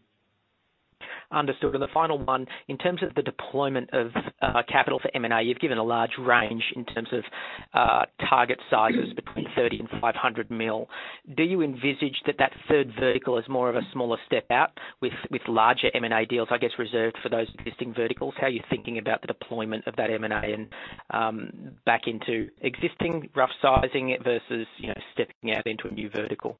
Understood. The final one, in terms of the deployment of, capital for M&A, you've given a large range in terms of, target sizes between 30 million and 500 million. Do you envisage that, that third vertical is more of a smaller step out with, with larger M&A deals, I guess, reserved for those existing verticals? How are you thinking about the deployment of that M&A and, back into existing rough sizing versus, you know, stepping out into a new vertical?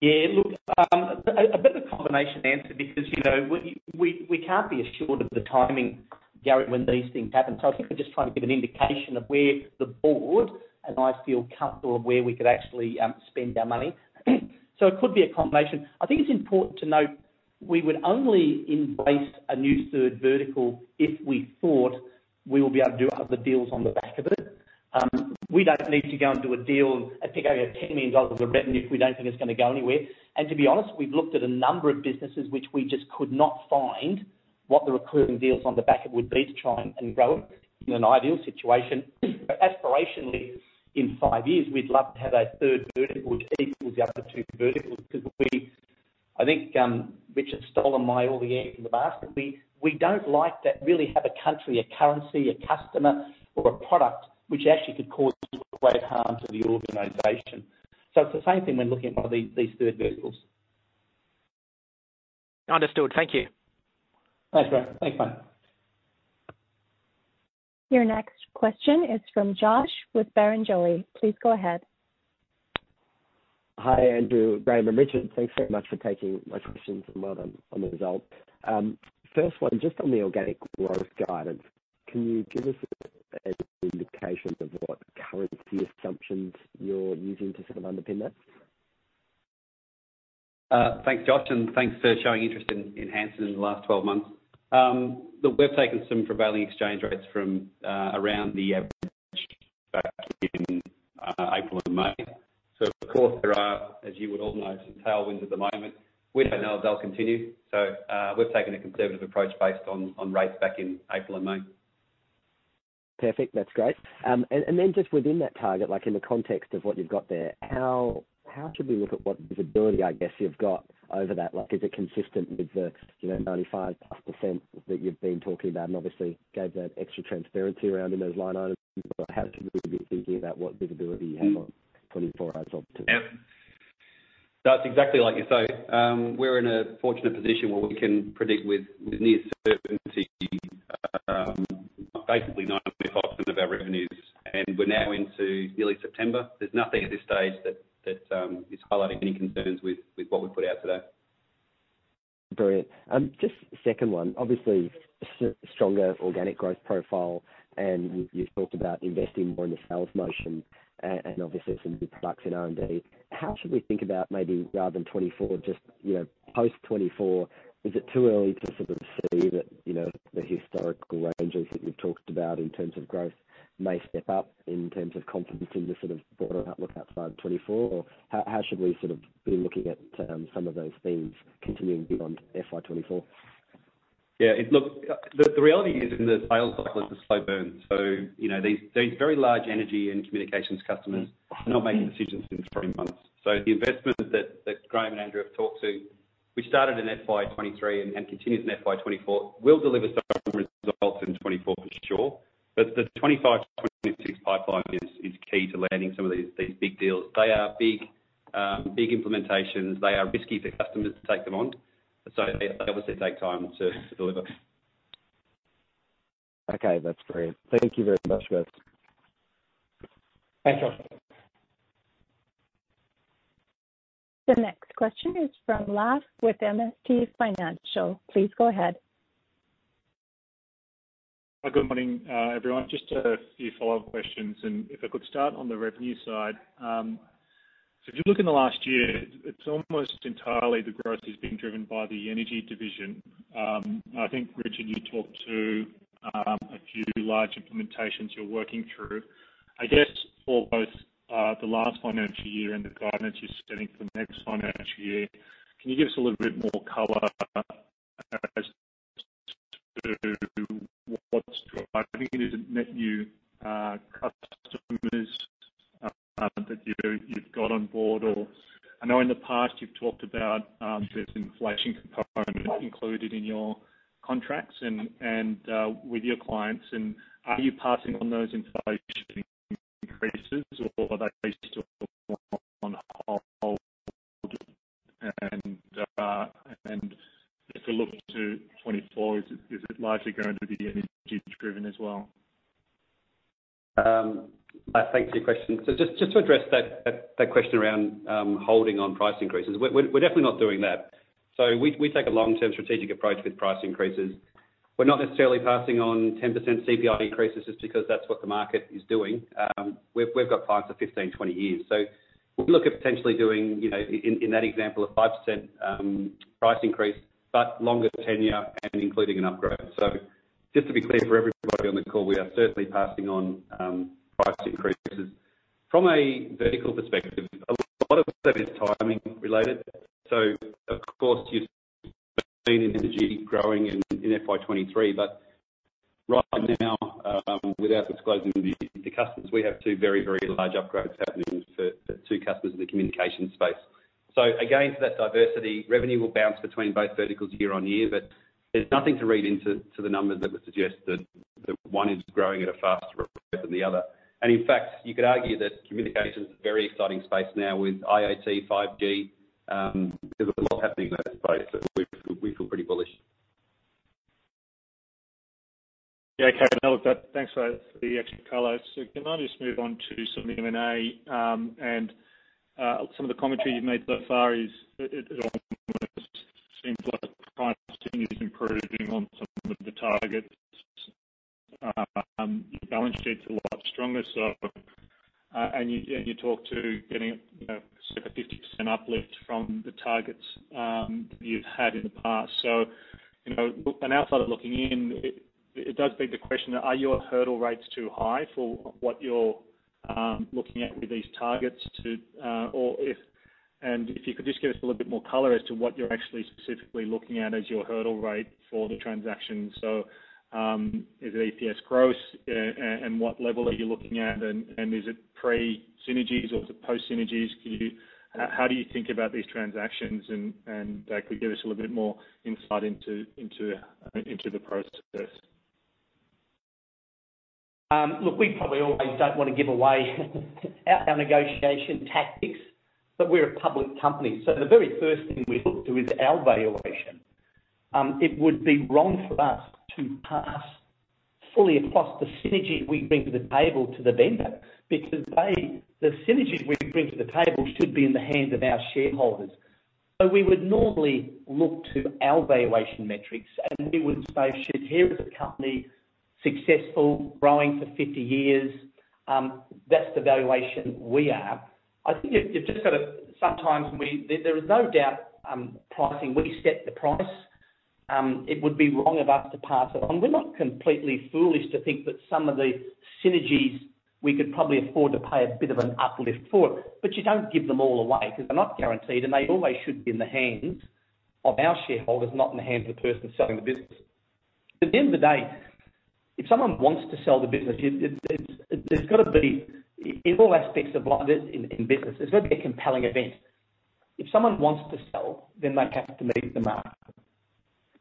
Yeah, look, a bit of a combination answer because, you know, we, we, we can't be assured of the timing, Gary, when these things happen. I think we're just trying to give an indication of where the board, and I feel comfortable of where we could actually spend our money. It could be a combination. I think it's important to note, we would only embrace a new third vertical if we thought we will be able to do other deals on the back of it. We don't need to go and do a deal and pick up $10 million of revenue if we don't think it's gonna go anywhere. To be honest, we've looked at a number of businesses which we just could not find what the recurring deals on the back of it would be to try and, and grow it. In an ideal situation, aspirationally, in five years, we'd love to have a third vertical, which equals the other two verticals, because I think Richard stolen my, all the air in the basket. We don't like to really have a country, a currency, a customer, or a product which actually could cause great harm to the organization. It's the same thing when looking at one of these, these third verticals.
Understood. Thank you.
Thanks, Graham. Thanks, bye.
Your next question is from Josh with Barrenjoey. Please go ahead.
Hi, Andrew, Graham, and Richard. Thanks very much for taking my questions and well done on the results. First one, just on the organic growth guidance, can you give us an indication of what currency assumptions you're using to sort of underpin that?
Thanks, Josh, and thanks for showing interest in, in Hansen in the last 12 months. Look, we've taken some prevailing exchange rates from, around the average back in April and May. Of course, there are, as you would all know, some tailwinds at the moment. We don't know if they'll continue, so, we've taken a conservative approach based on, on rates back in April and May.
Perfect. That's great. Just within that target, like in the context of what you've got there, how, how should we look at what visibility, I guess, you've got over that? Like, is it consistent with the, you know, 95+% that you've been talking about, and obviously gave that extra transparency around in those line items? How should we be thinking about what visibility you have on 24 out of 2?
Yep. That's exactly like you say. We're in a fortunate position where we can predict with, with near certainty, basically 90% of our revenues, and we're now into nearly September. There's nothing at this stage that, that is highlighting any concerns with, with what we put out today.
Brilliant. Just second one, obviously, stronger organic growth profile, and you've talked about investing more in the sales motion and, and obviously some good products in R&D. How should we think about maybe rather than 2024, just, you know, post 2024? Is it too early to sort of see that, you know, the historical ranges that you've talked about in terms of growth may step up in terms of confidence in the sort of broader outlook outside of 2024? How, how should we sort of be looking at, some of those themes continuing beyond FY 2024?
Yeah, it look, the reality is in the sales is a slow burn. You know, these very large energy and communications customers are not making decisions in three months. The investment that Graeme and Andrew have talked to, we started in FY 2023 and continues in FY 2024, will deliver strong results in 2024 for sure. The 2025-2026 pipeline is key to landing some of these big deals. They are big, big implementations. They are risky for customers to take them on, so they obviously take time to deliver.
Okay, that's great. Thank you very much, guys.
Thanks, Josh.
The next question is from Lars with MST Financial. Please go ahead.
Hi, good morning, everyone. Just a few follow-up questions, and if I could start on the revenue side. If you look in the last year, it's almost entirely the growth has been driven by the energy division. I think, Richard, you talked to a few large implementations you're working through. I guess for both, the last financial year and the guidance you're setting for the next financial year, can you give us a little bit more color as to what's driving it? Is it net new customers that you, you've got on board or? I know in the past you've talked about, there's inflation component included in your contracts and, and, with your clients, and are you passing on those inflation increases, or are they still on hold? If we look to 2024, is it, is it largely going to be energy driven as well?
I thank for your question. Just, just to address that, that, that question around holding on price increases. We're, we're definitely not doing that. We, we take a long-term strategic approach with price increases. We're not necessarily passing on 10% CPI increases just because that's what the market is doing. We've, we've got clients for 15, 20 years, so we'll look at potentially doing, in, in that example, a 5% price increase, but longer tenure and including an upgrade. Just to be clear, for everybody on the call, we are certainly passing on price increases. From a vertical perspective, a lot of that is timing related. Of course, you've seen energy growing in, in FY 2023, but right now, without disclosing the customers, we have two very, very large upgrades happening for the two customers in the communication space. Again, for that diversity, revenue will bounce between both verticals year on year, but there's nothing to read into to the numbers that would suggest that one is growing at a faster rate than the other. And in fact, you could argue that communication is a very exciting space now with IoT, 5G, there's a lot happening in that space, so we feel pretty bullish.
Yeah, okay. Thanks for the extra color. Can I just move on to some M&A, and some of the commentary you've made so far is, it, it almost seems like pricing is improving on some of the targets. Your balance sheet's a lot stronger, and you, and you talk to getting, you know, say, a 50% uplift from the targets you've had in the past. You know, look, an outsider looking in, it, it does beg the question, are your hurdle rates too high for what you're looking at with these targets to, if you could just give us a little bit more color as to what you're actually specifically looking at as your hurdle rate for the transaction. Is it EPS growth, and, and what level are you looking at, and, and is it pre-synergies or is it post synergies? How do you think about these transactions, and, and, could you give us a little bit more insight into, into, into the process?...
look, we probably always don't want to give away our, our negotiation tactics, but we're a public company, so the very first thing we look to is our valuation. It would be wrong for us to pass fully across the synergy we bring to the table, to the vendor, because the synergies we bring to the table should be in the hands of our shareholders. We would normally look to our valuation metrics, and we would say, "Here is a company successful, growing for 50 years. That's the valuation we have." I think you've, you've just got to sometimes there, there is no doubt, pricing, we set the price. It would be wrong of us to pass it on. We're not completely foolish to think that some of the synergies we could probably afford to pay a bit of an uplift for, but you don't give them all away because they're not guaranteed, and they always should be in the hands of our shareholders, not in the hands of the person selling the business. At the end of the day, if someone wants to sell the business, it's, there's got to be, in all aspects of life, in business, there's got to be a compelling event. If someone wants to sell, then they have to meet the mark.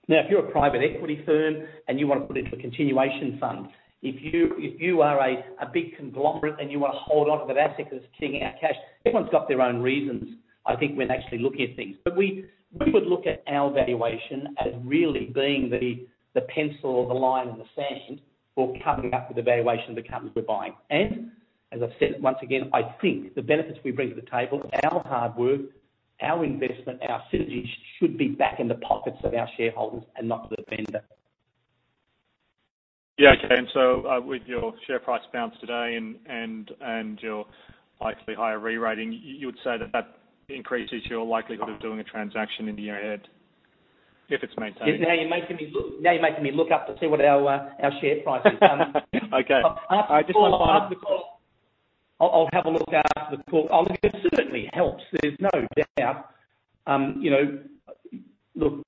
If you're a private equity firm and you want to put it into a continuation fund, if you, if you are a, a big conglomerate and you want to hold on to that asset because it's paying out cash, everyone's got their own reasons, I think, when actually looking at things. We, we would look at our valuation as really being the, the pencil or the line in the sand for coming up with the valuation of the companies we're buying. As I've said, once again, I think the benefits we bring to the table, our hard work, our investment, our synergies should be back in the pockets of our shareholders and not the vendor.
Yeah, okay. With your share price bounce today and, and, and your likely higher rerating, you would say that that increases your likelihood of doing a transaction in the year ahead, if it's maintained?
Now, you're making me look-- Now, you're making me look up to see what our, our share price is.
Okay. I just want to.
I'll, I'll have a look after the call. Oh, look, it certainly helps, there's no doubt. You know, look,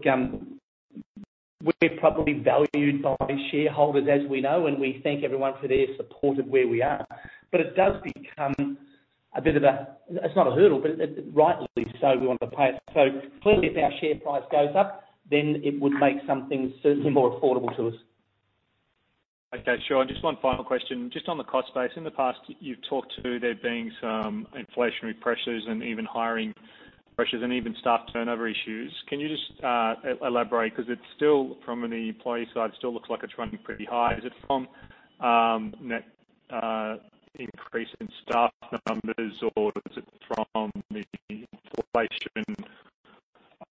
we're probably valued by shareholders, as we know, and we thank everyone for their support of where we are. It does become a bit of a, it's not a hurdle, but, it, rightly so, we want to pay it. Clearly, if our share price goes up, then it would make some things certainly more affordable to us.
Okay, sure. Just one final question, just on the cost base. In the past, you've talked to there being some inflationary pressures and even hiring pressures and even staff turnover issues. Can you just elaborate? Because it's still, from an employee side, still looks like it's running pretty high. Is it from net increase in staff numbers, or is it from the inflation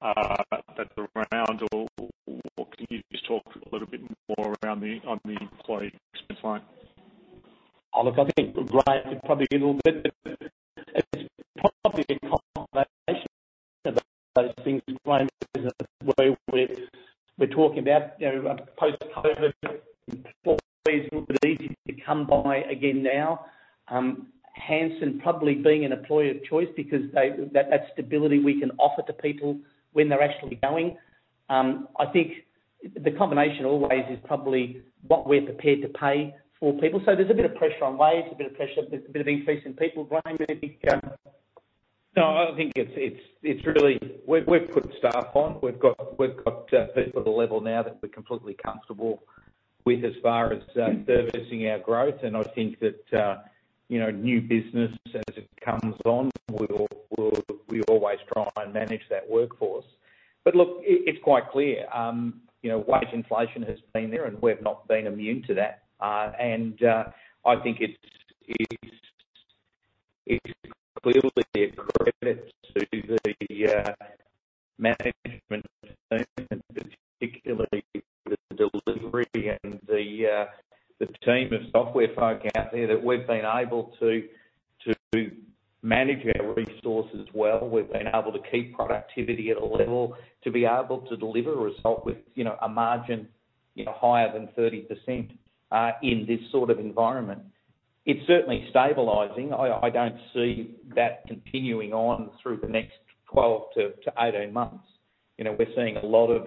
that's around, or can you just talk a little bit more around the, on the employee expense line?
Oh, look, I think, right, probably a little bit. It's probably a combination of those things, mate. Where we're, we're talking about, you know, post-COVID, employees are a little bit easy to come by again now. Hansen probably being an employer of choice because they, that, that stability we can offer to people when they're actually going. I think the combination always is probably what we're prepared to pay for people. So there's a bit of pressure on wage, a bit of pressure, there's a bit of increase in people, mate.
No, I think it's, it's, it's really. We've, we've put staff on. We've got, we've got people at a level now that we're completely comfortable with as far as servicing our growth. I think that, you know, new business as it comes on, we'll, we'll, we always try and manage that workforce. Look, it, it's quite clear, you know, wage inflation has been there, and we've not been immune to that. I think it's, it's, it's clearly a credit to the management, particularly the delivery and the team of software folk out there, that we've been able to, to manage our resources well. We've been able to keep productivity at a level to be able to deliver a result with, you know, a margin, you know, higher than 30% in this sort of environment. It's certainly stabilizing. I, I don't see that continuing on through the next 12-18 months. You know, we're seeing a lot of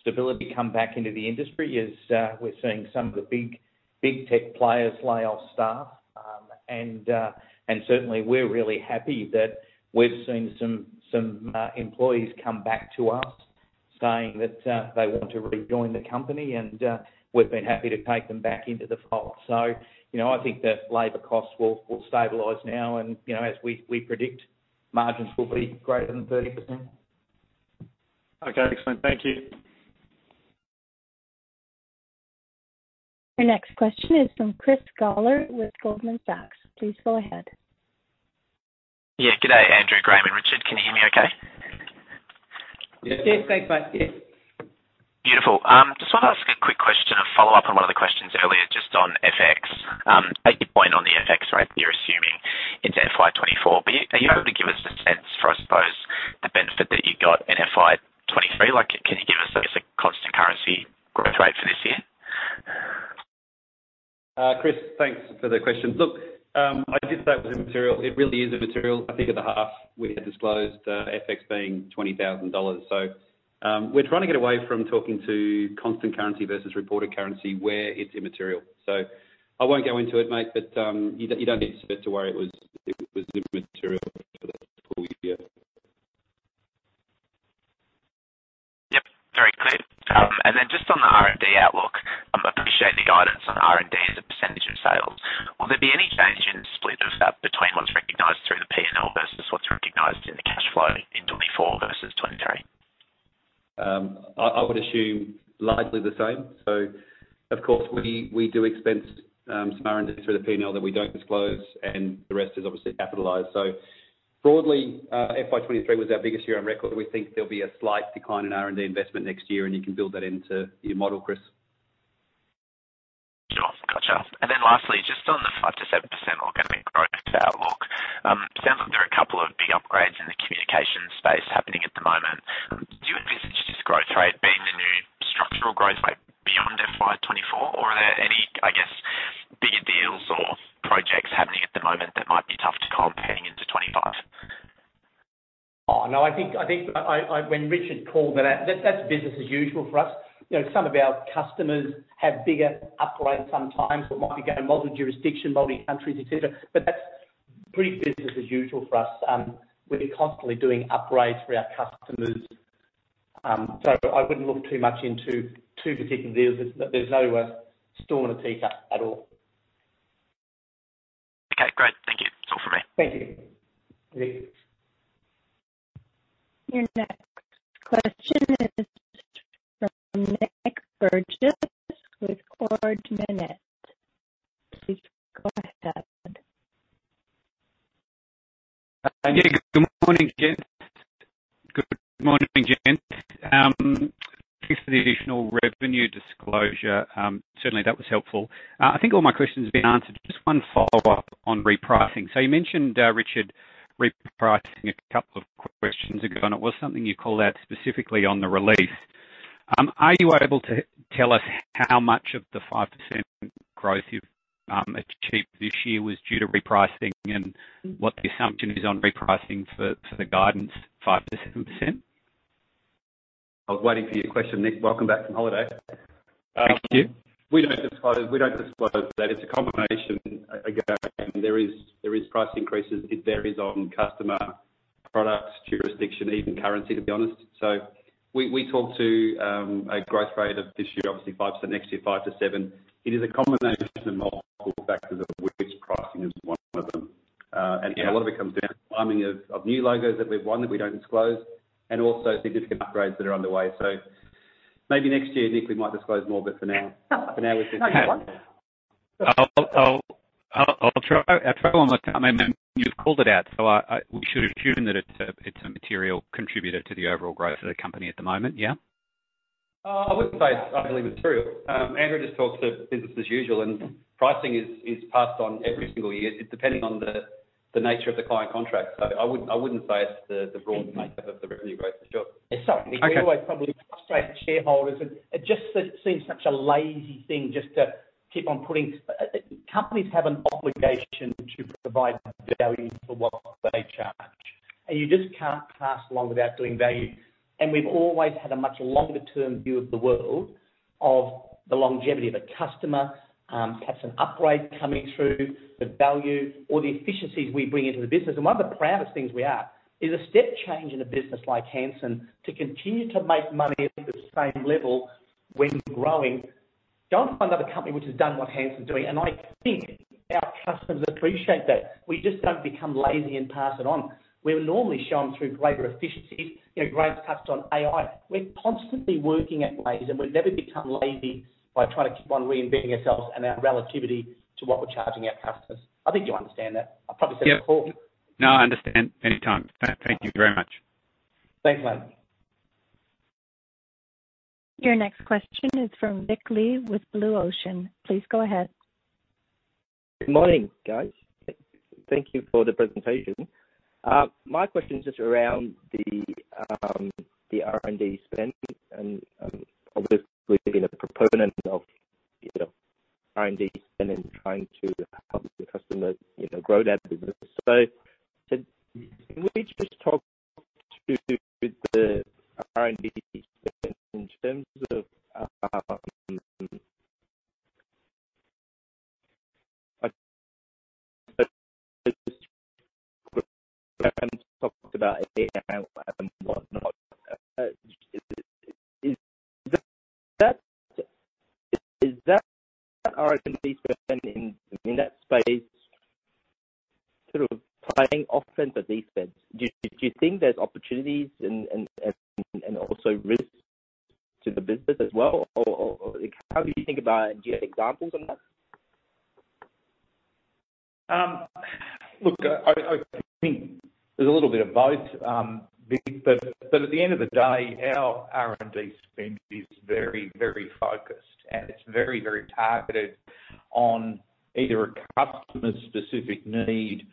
stability come back into the industry as we're seeing some of the big, big tech players lay off staff. And certainly, we're really happy that we've seen some, some employees come back to us saying that they want to rejoin the company, and we've been happy to take them back into the fold. You know, I think that labor costs will, will stabilize now, and, you know, as we, we predict, margins will be greater than 30%.
Okay, excellent. Thank you.
Our next question is from Chris Gawler with Goldman Sachs. Please go ahead.
Yeah, good day, Andrew, Graham, and Richard. Can you hear me okay?
Yes.
Yes, great, bye. Yes.
Beautiful. Just want to ask a quick question, a follow-up on one of the questions earlier, just on FX. At your point on the FX rate, you're assuming it's FY 2024. Are you able to give us a sense for, I suppose, the benefit that you got in FY 2023? Like, can you give us, I guess, a constant currency growth rate for this year?
Chris, thanks for the question. Look, I did say it was immaterial. It really is immaterial. I think at the half, we had disclosed FX being 20,000 dollars. We're trying to get away from talking to constant currency versus reported currency where it's immaterial. I won't go into it, mate, but you don't need to worry, it was, it was immaterial for the full year.
Yep, very clear. Just on the R&D outlook, I appreciate the guidance on R&D as a percentage of sales. Will there be any change in split of that between what's recognized through the P&L versus what's recognized in the cash flow in 2024 versus 2023?
I, I would assume largely the same. Of course, we, we do expense some R&D through the P&L that we don't disclose, and the rest is obviously capitalized. Broadly, FY 2023 was our biggest year on record. We think there'll be a slight decline in R&D investment next year, and you can build that into your model, Chris.
Sure. Gotcha. Then lastly, just on the 5%-7% organic growth outlook, sounds like there are a couple of big upgrades in the communication space happening at the moment. Do you envisage this growth rate being the new structural growth rate beyond FY 2024, or are there any, I guess, bigger deals or projects happening at the moment that might be tough to compare into 2025?
Oh, no, I think, I think, when Richard called that out, that's business as usual for us. You know, some of our customers have bigger upgrades sometimes that might be going multi-jurisdiction, multi-countries, et cetera. That's pretty business as usual for us. We've been constantly doing upgrades for our customers. I wouldn't look too much into two particular deals. There's no storm in a teacup at all.
Okay, great. Thank you. That's all for me.
Thank you.
Your next question is from Nic Burgess with Ord Minnett. Please go ahead.
Yeah, good morning, gents. Good morning, gents. Thanks for the additional revenue disclosure. Certainly, that was helpful. I think all my questions have been answered. Just one follow-up on repricing. You mentioned, Richard, repricing a couple of questions ago, and it was something you called out specifically on the release. Are you able to tell us how much of the 5% growth you've achieved this year was due to repricing, and what the assumption is on repricing for, for the guidance, 5%-7%?
I was waiting for your question, Nick. Welcome back from holiday.
Thank you.
We don't disclose, we don't disclose that. It's a combination. Again, there is, there is price increases. It varies on customer, products, jurisdiction, even currency, to be honest. We, we talk to a growth rate of this year, obviously 5%, next year, 5-7%. It is a combination of multiple factors, of which pricing is one of them. And a lot of it comes down to timing of, of new logos that we've won, that we don't disclose, and also significant upgrades that are underway. Maybe next year, Nick, we might disclose more, but for now, for now we can-.
I'll try. I'll try one more time. I mean, you've called it out, so I we should assume that it's a, it's a material contributor to the overall growth of the company at the moment, yeah?
I wouldn't say I believe it's material. Andrew just talked to business as usual, and pricing is passed on every single year, depending on the nature of the client contract. I wouldn't, I wouldn't say it's the broad makeup of the revenue growth, for sure.
It's something-
Okay.
We always probably frustrate shareholders, and it just seems such a lazy thing just to keep on putting. Companies have an obligation to provide value for what they charge, and you just can't pass along without doing value. We've always had a much longer-term view of the world, of the longevity of a customer, perhaps an upgrade coming through, the value or the efficiencies we bring into the business. One of the proudest things we have is a step change in a business like Hansen to continue to make money at the same level when you're growing. Go and find another company which has done what Hansen's doing, and I think our customers appreciate that. We just don't become lazy and pass it on. We've normally shown through labor efficiency, you know, great cuts on AI. We're constantly working at ways, we've never become lazy by trying to keep on reinventing ourselves and our relativity to what we're charging our customers. I think you understand that. I've probably said before.
Yeah. No, I understand. Anytime. Thank you very much.
Thanks, mate.
Your next question is from Vic Lee with Blue Ocean. Please go ahead.
Good morning, guys. Thank you for the presentation. My question is just around the R&D spend, and obviously been a proponent of, you know, R&D spend and trying to help the customer, you know, grow their business. Can we just talk to the R&D in terms of? Is that, is that R&D spend in, in that space, sort of playing offense or defense? Do, do you think there's opportunities and, and, and, and also risks to the business as well? Or, how do you think about it? Do you have examples on that?
Look, I, I think there's a little bit of both, Vic. At the end of the day, our R&D spend is very, very focused, and it's very, very targeted on either a customer's specific need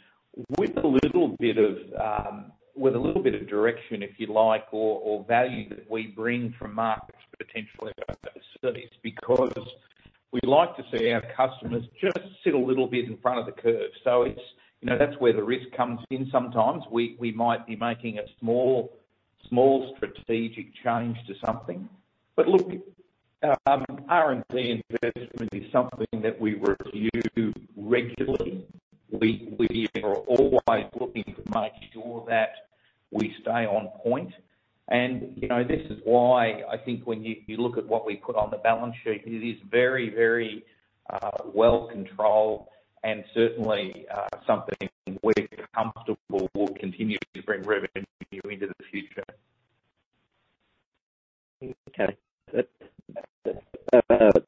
with a little bit of direction, if you like, or value that we bring from markets potentially overseas, because we like to see our customers just sit a little bit in front of the curve. It's, you know, that's where the risk comes in sometimes. We, we might be making a small, small strategic change to something. Look. R&D investment is something that we review regularly. We, we are always looking to make sure that we stay on point. You know, this is why I think when you, you look at what we put on the balance sheet, it is very, very well controlled and certainly, something we're comfortable will continue to bring revenue into the future.
Okay. That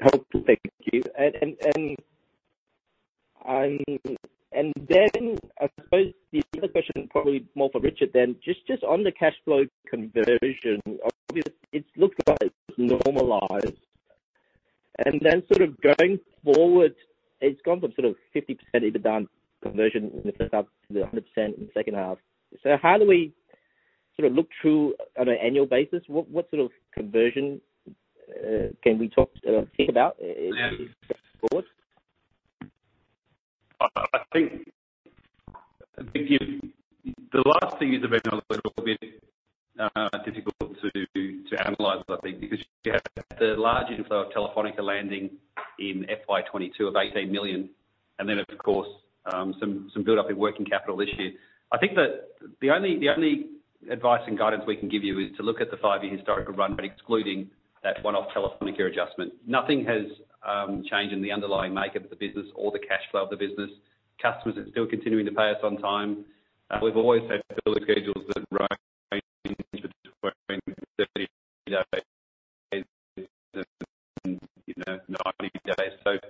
helpful, thank you. Then I suppose the other question, probably more for Richard then, just, just on the cash flow conversion, it looks like it's normalized. Then sort of going forward, it's gone from sort of 50% EBITDA conversion in the first half to 100% in the second half. How do we sort of look through on an annual basis? What, what sort of conversion can we talk, think about going forward?
I think, if you-- the last thing is have been a little bit difficult to analyze, I think, because you have the large inflow of Telefónica landing in FY 2022 of 18 million, then, of course, some buildup in working capital this year. I think that the only advice and guidance we can give you is to look at the five-year historical run, excluding that one-off Telefónica adjustment. Nothing has changed in the underlying makeup of the business or the cash flow of the business. Customers are still continuing to pay us on time. We've always had bill schedules that run, you know, 90 days.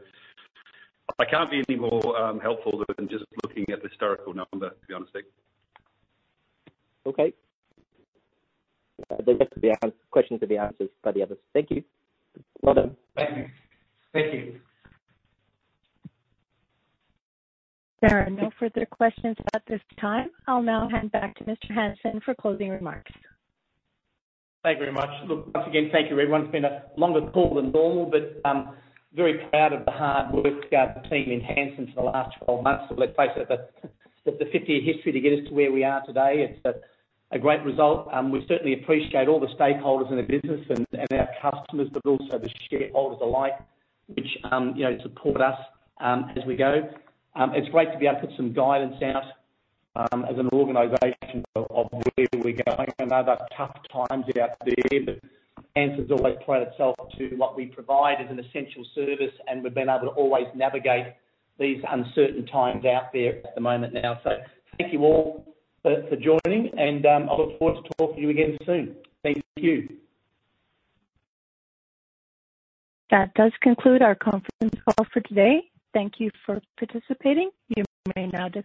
I can't be any more helpful than just looking at the historical number, to be honest with you.
Okay. They have to be questions to be answered by the others. Thank you. Well done.
Thank you. Thank you.
There are no further questions at this time. I'll now hand back to Mr. Hansen for closing remarks.
Thank you very much. Look, once again, thank you, everyone. It's been a longer call than normal, but, very proud of the hard work of the team in Hansen for the last 12 months. Let's face it, the 50-year history to get us to where we are today, it's a great result. We certainly appreciate all the stakeholders in the business and our customers, but also the shareholders alike, which, you know, support us as we go. It's great to be able to put some guidance out as an organization of where we're going and other tough times out there. Hansen's always pride itself to what we provide as an essential service, and we've been able to always navigate these uncertain times out there at the moment now. Thank you all for joining, and I look forward to talk to you again soon. Thank you.
That does conclude our conference call for today. Thank you for participating. You may now disconnect.